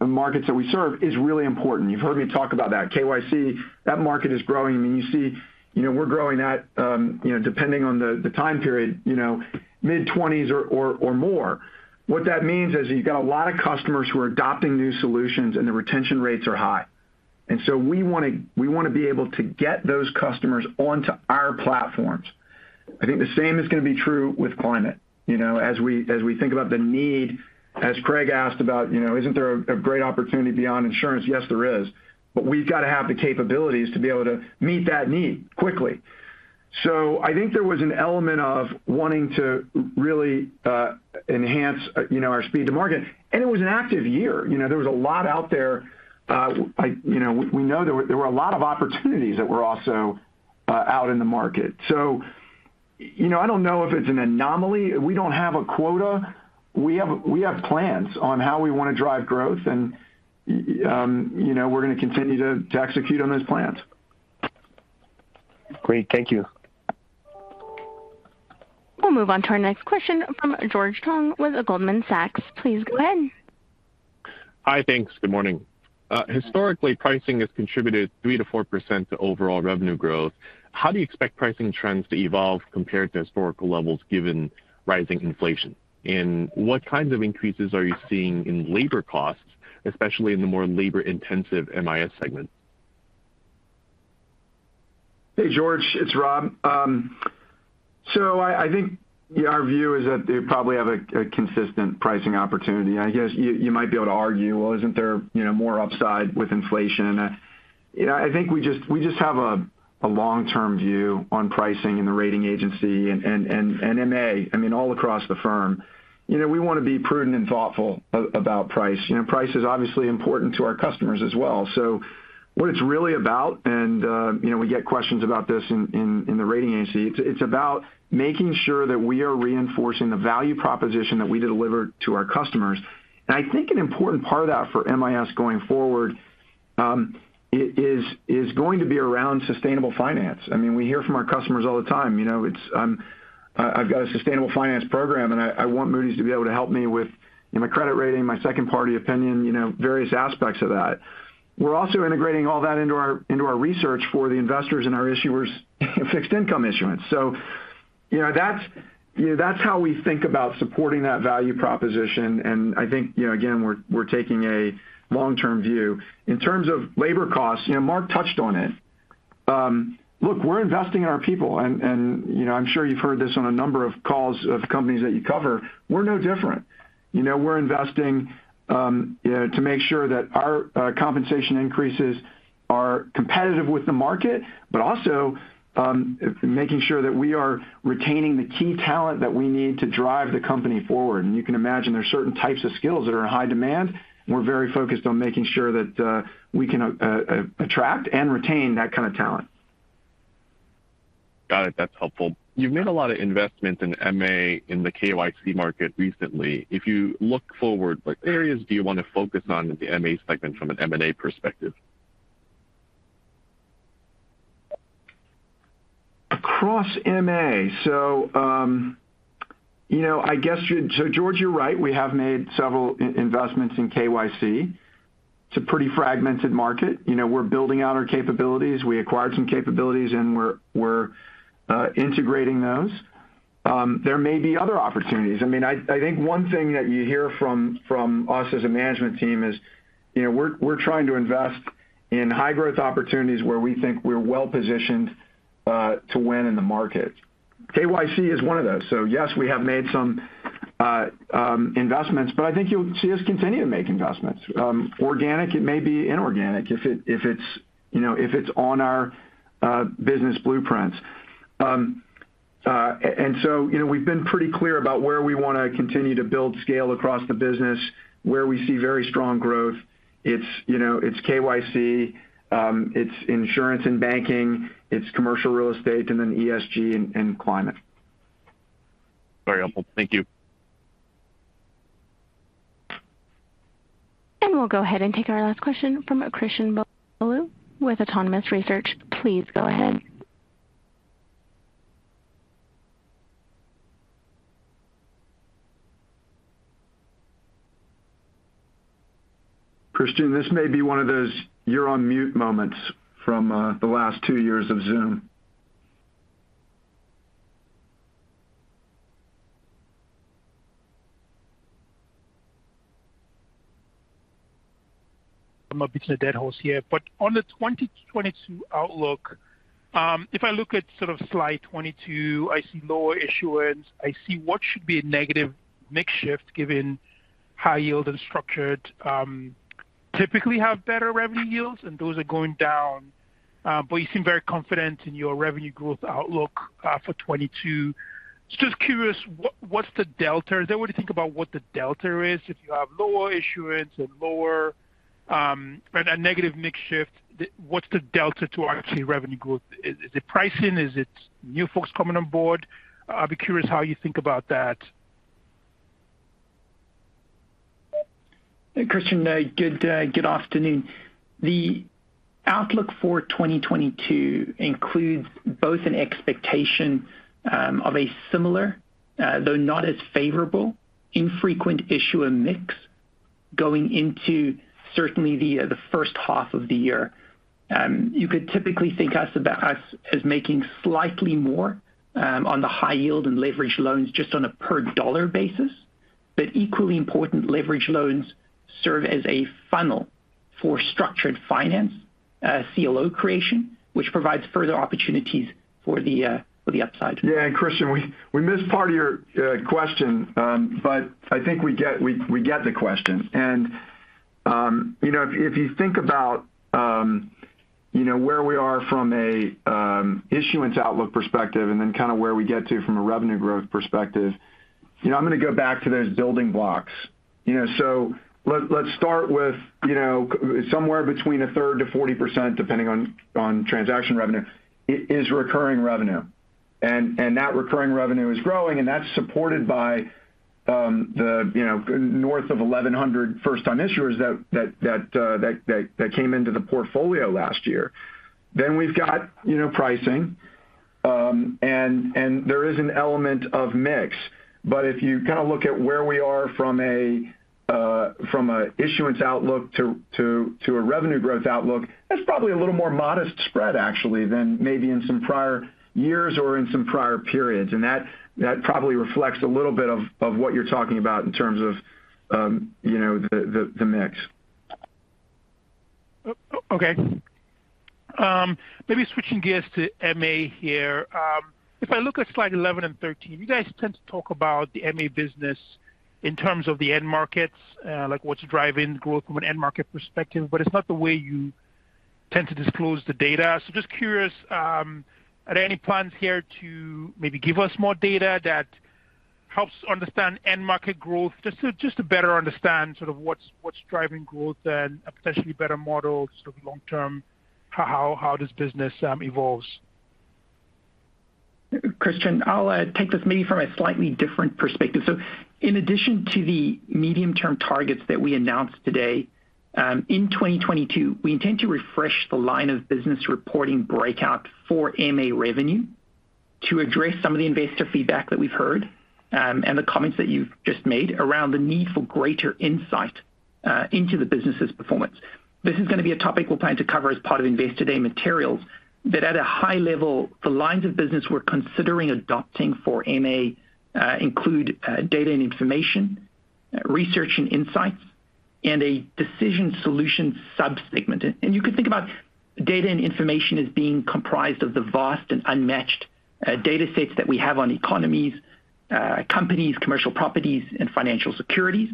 markets that we serve is really important. You've heard me talk about that. KYC, that market is growing. I mean, you see, you know, we're growing at, you know, depending on the time period, you know, mid-twenties or more. What that means is you've got a lot of customers who are adopting new solutions, and the retention rates are high. We wanna be able to get those customers onto our platforms. I think the same is gonna be true with climate. You know, as we think about the need, as Craig asked about, you know, isn't there a great opportunity beyond insurance? Yes, there is. But we've got to have the capabilities to be able to meet that need quickly. So, I think there was an element of wanting to really enhance, you know, our speed to market. It was an active year. You know, there was a lot out there. You know, we know there were a lot of opportunities that were also out in the market. So you know, I don't know if it's an anomaly. We don't have a quota. We have plans on how we wanna drive growth and, you know, we're gonna continue to execute on those plans. Great. Thank you. We'll move on to our next question from George Tong with Goldman Sachs. Please go ahead. Hi. Thanks. Good morning. Historically, pricing has contributed 3%-4% to overall revenue growth. How do you expect pricing trends to evolve compared to historical levels given rising inflation? And what kinds of increases are you seeing in labor costs, especially in the more labor-intensive MIS segment? Hey, George. It's Rob. I think our view is that they probably have a consistent pricing opportunity. I guess you might be able to argue, well, isn't there, you know, more upside with inflation? You know, I think we just have a long-term view on pricing in the rating agency and M&A. I mean, all across the firm. You know, we wanna be prudent and thoughtful about price. You know, price is obviously important to our customers as well. So, well it's really about, and, you know, we get questions about this in the rating agency. It's about making sure that we are reinforcing the value proposition that we deliver to our customers. I think an important part of that for MIS going forward is going to be around sustainable finance. I mean, we hear from our customers all the time, you know, it's, I've got a sustainable finance program, and I want Moody's to be able to help me with, you know, my credit rating, my second party opinion, you know, various aspects of that. We're also integrating all that into our research for the investors and our issuers fixed income issuance. You know, that's how we think about supporting that value proposition. I think, you know, again, we're taking a long-term view. In terms of labor costs, you know, Mark touched on it. Look, we're investing in our people, and you know, I'm sure you've heard this on a number of calls of companies that you cover, we're no different. You know, we're investing to make sure that our compensation increases are competitive with the market, but also making sure that we are retaining the key talent that we need to drive the company forward. You can imagine there are certain types of skills that are in high demand, and we're very focused on making sure that we can attract and retain that kind of talent. Got it. That's helpful. You've made a lot of investments in M&A in the KYC market recently. If you look forward, what areas do you want to focus on in the M&A segment from an M&A perspective? Across MA. George, you're right. We have made several investments in KYC. It's a pretty fragmented market. You know, we're building out our capabilities. We acquired some capabilities, and we're integrating those. There may be other opportunities. I mean, I think one thing that you hear from us as a management team is, you know, we're trying to invest in high growth opportunities where we think we're well positioned to win in the market. KYC is one of those. Yes, we have made some investments, but I think you'll see us continue to make investments, organic, it may be inorganic if it's, you know, on our business blueprints. You know, we've been pretty clear about where we want to continue to build scale across the business, where we see very strong growth. It's, you know, it's KYC, it's insurance and banking, it's commercial real estate, and then ESG and climate. Very helpful. Thank you. We'll go ahead and take our last question from Christian Bolu with Autonomous Research. Please go ahead. Christian, this may be one of those you're-on-mute moments from, the last two years of Zoom. I'm a bit beating a dead horse here. On the 2022 outlook, if I look at sort of slide 22, I see lower issuance. I see what should be a negative mix shift given high yield and structured typically have better revenue yields, and those are going down. You seem very confident in your revenue growth outlook for 2022. Just curious, what's the delta? Is there a way to think about what the delta is if you have lower issuance and a negative mix shift, what's the delta to actually revenue growth? Is it pricing? Is it new folks coming on board? I'll be curious how you think about that. Hey, Christian. Good afternoon. The outlook for 2022 includes both an expectation of a similar, though not as favorable, infrequent issuer mix going into certainly the first half of the year. You could typically think of us as making slightly more on the high yield and leveraged loans just on a per dollar basis. Equally important, leveraged loans serve as a funnel for structured finance, CLO creation, which provides further opportunities for the upside. Yeah. Christian, we missed part of your question, but I think we get the question. You know, if you think about you know, where we are from a issuance outlook perspective and then kind of where we get to from a revenue growth perspective, you know, I'm gonna go back to those building blocks. You know, let's start with, you know, somewhere between a third to 40%, depending on transaction revenue is recurring revenue. That recurring revenue is growing, and that's supported by the, you know, north of 1,100 first time issuers that came into the portfolio last year. We've got, you know, pricing. There is an element of mix. If you kind of look at where we are from a issuance outlook to a revenue growth outlook, that's probably a little more modest spread actually than maybe in some prior years or in some prior periods. That probably reflects a little bit of what you're talking about in terms of, you know, the mix. Okay. Maybe switching gears to MA here. If I look at slide 11 and 13, you guys tend to talk about the MA business in terms of the end markets, like what's driving growth from an end market perspective, but it's not the way you tend to disclose the data. Just curious, are there any plans here to maybe give us more data that helps understand end market growth just to better understand sort of what's driving growth and a potentially better model sort of long term how this business evolves? Christian, I'll take this maybe from a slightly different perspective. In addition to the medium-term targets that we announced today, in 2022, we intend to refresh the line of business reporting breakout for MA revenue to address some of the investor feedback that we've heard, and the comments that you've just made around the need for greater insight into the business's performance. This is gonna be a topic we're planning to cover as part of Investor Day materials, that at a high level, the lines of business we're considering adopting for MA include data and information, research and insights, and a decision solution sub-segment. You can think about data and information as being comprised of the vast and unmatched datasets that we have on economies, companies, commercial properties, and financial securities.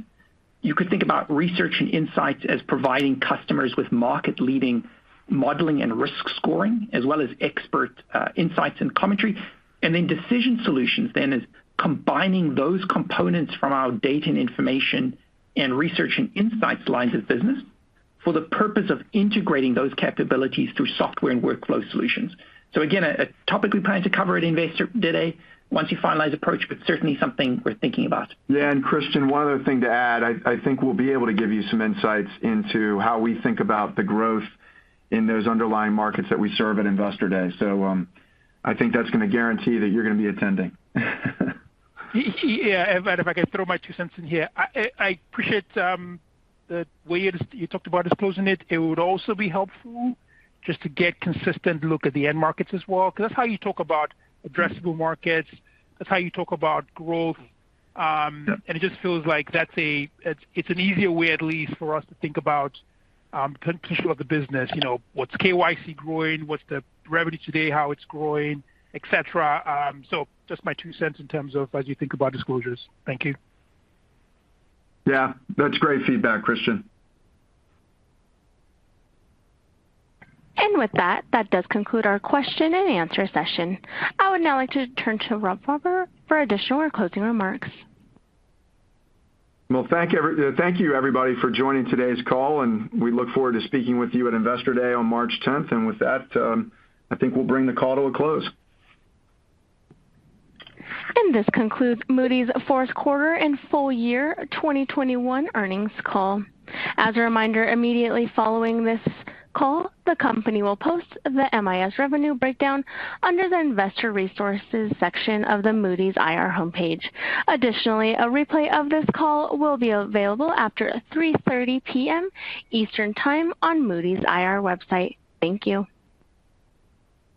You could think about research and insights as providing customers with market-leading modeling and risk scoring, as well as expert insights and commentary. Decision solutions then is combining those components from our data and information and research and insights lines of business for the purpose of integrating those capabilities through software and workflow solutions. Again, a topic we plan to cover at Investor Day once we finalize approach, but certainly something we're thinking about. Yeah. Christian, one other thing to add, I think we'll be able to give you some insights into how we think about the growth in those underlying markets that we serve at Investor Day. I think that's gonna guarantee that you're gonna be attending. Yeah. If I could throw my two cents in here. I appreciate the way you talked about disclosing it. It would also be helpful just to get consistent look at the end markets as well, 'cause that's how you talk about addressable markets. That's how you talk about growth. Yep. It just feels like it's an easier way at least for us to think about potential of the business. You know, what's KYC growing? What's the revenue today, how it's growing, et cetera. Just my two cents in terms of as you think about disclosures. Thank you. Yeah. That's great feedback, Christian. With that does conclude our question and answer session. I would now like to turn to Rob Fauber for additional or closing remarks. Well, thank you everybody for joining today's call, and we look forward to speaking with you at Investor Day on March tenth. With that, I think we'll bring the call to a close. This concludes Moody's fourth quarter and full year 2021 earnings call. As a reminder, immediately following this call, the company will post the MIS revenue breakdown under the Investor Resources section of the Moody's IR homepage. Additionally, a replay of this call will be available after 3:30 P.M. Eastern Time on Moody's IR website. Thank you.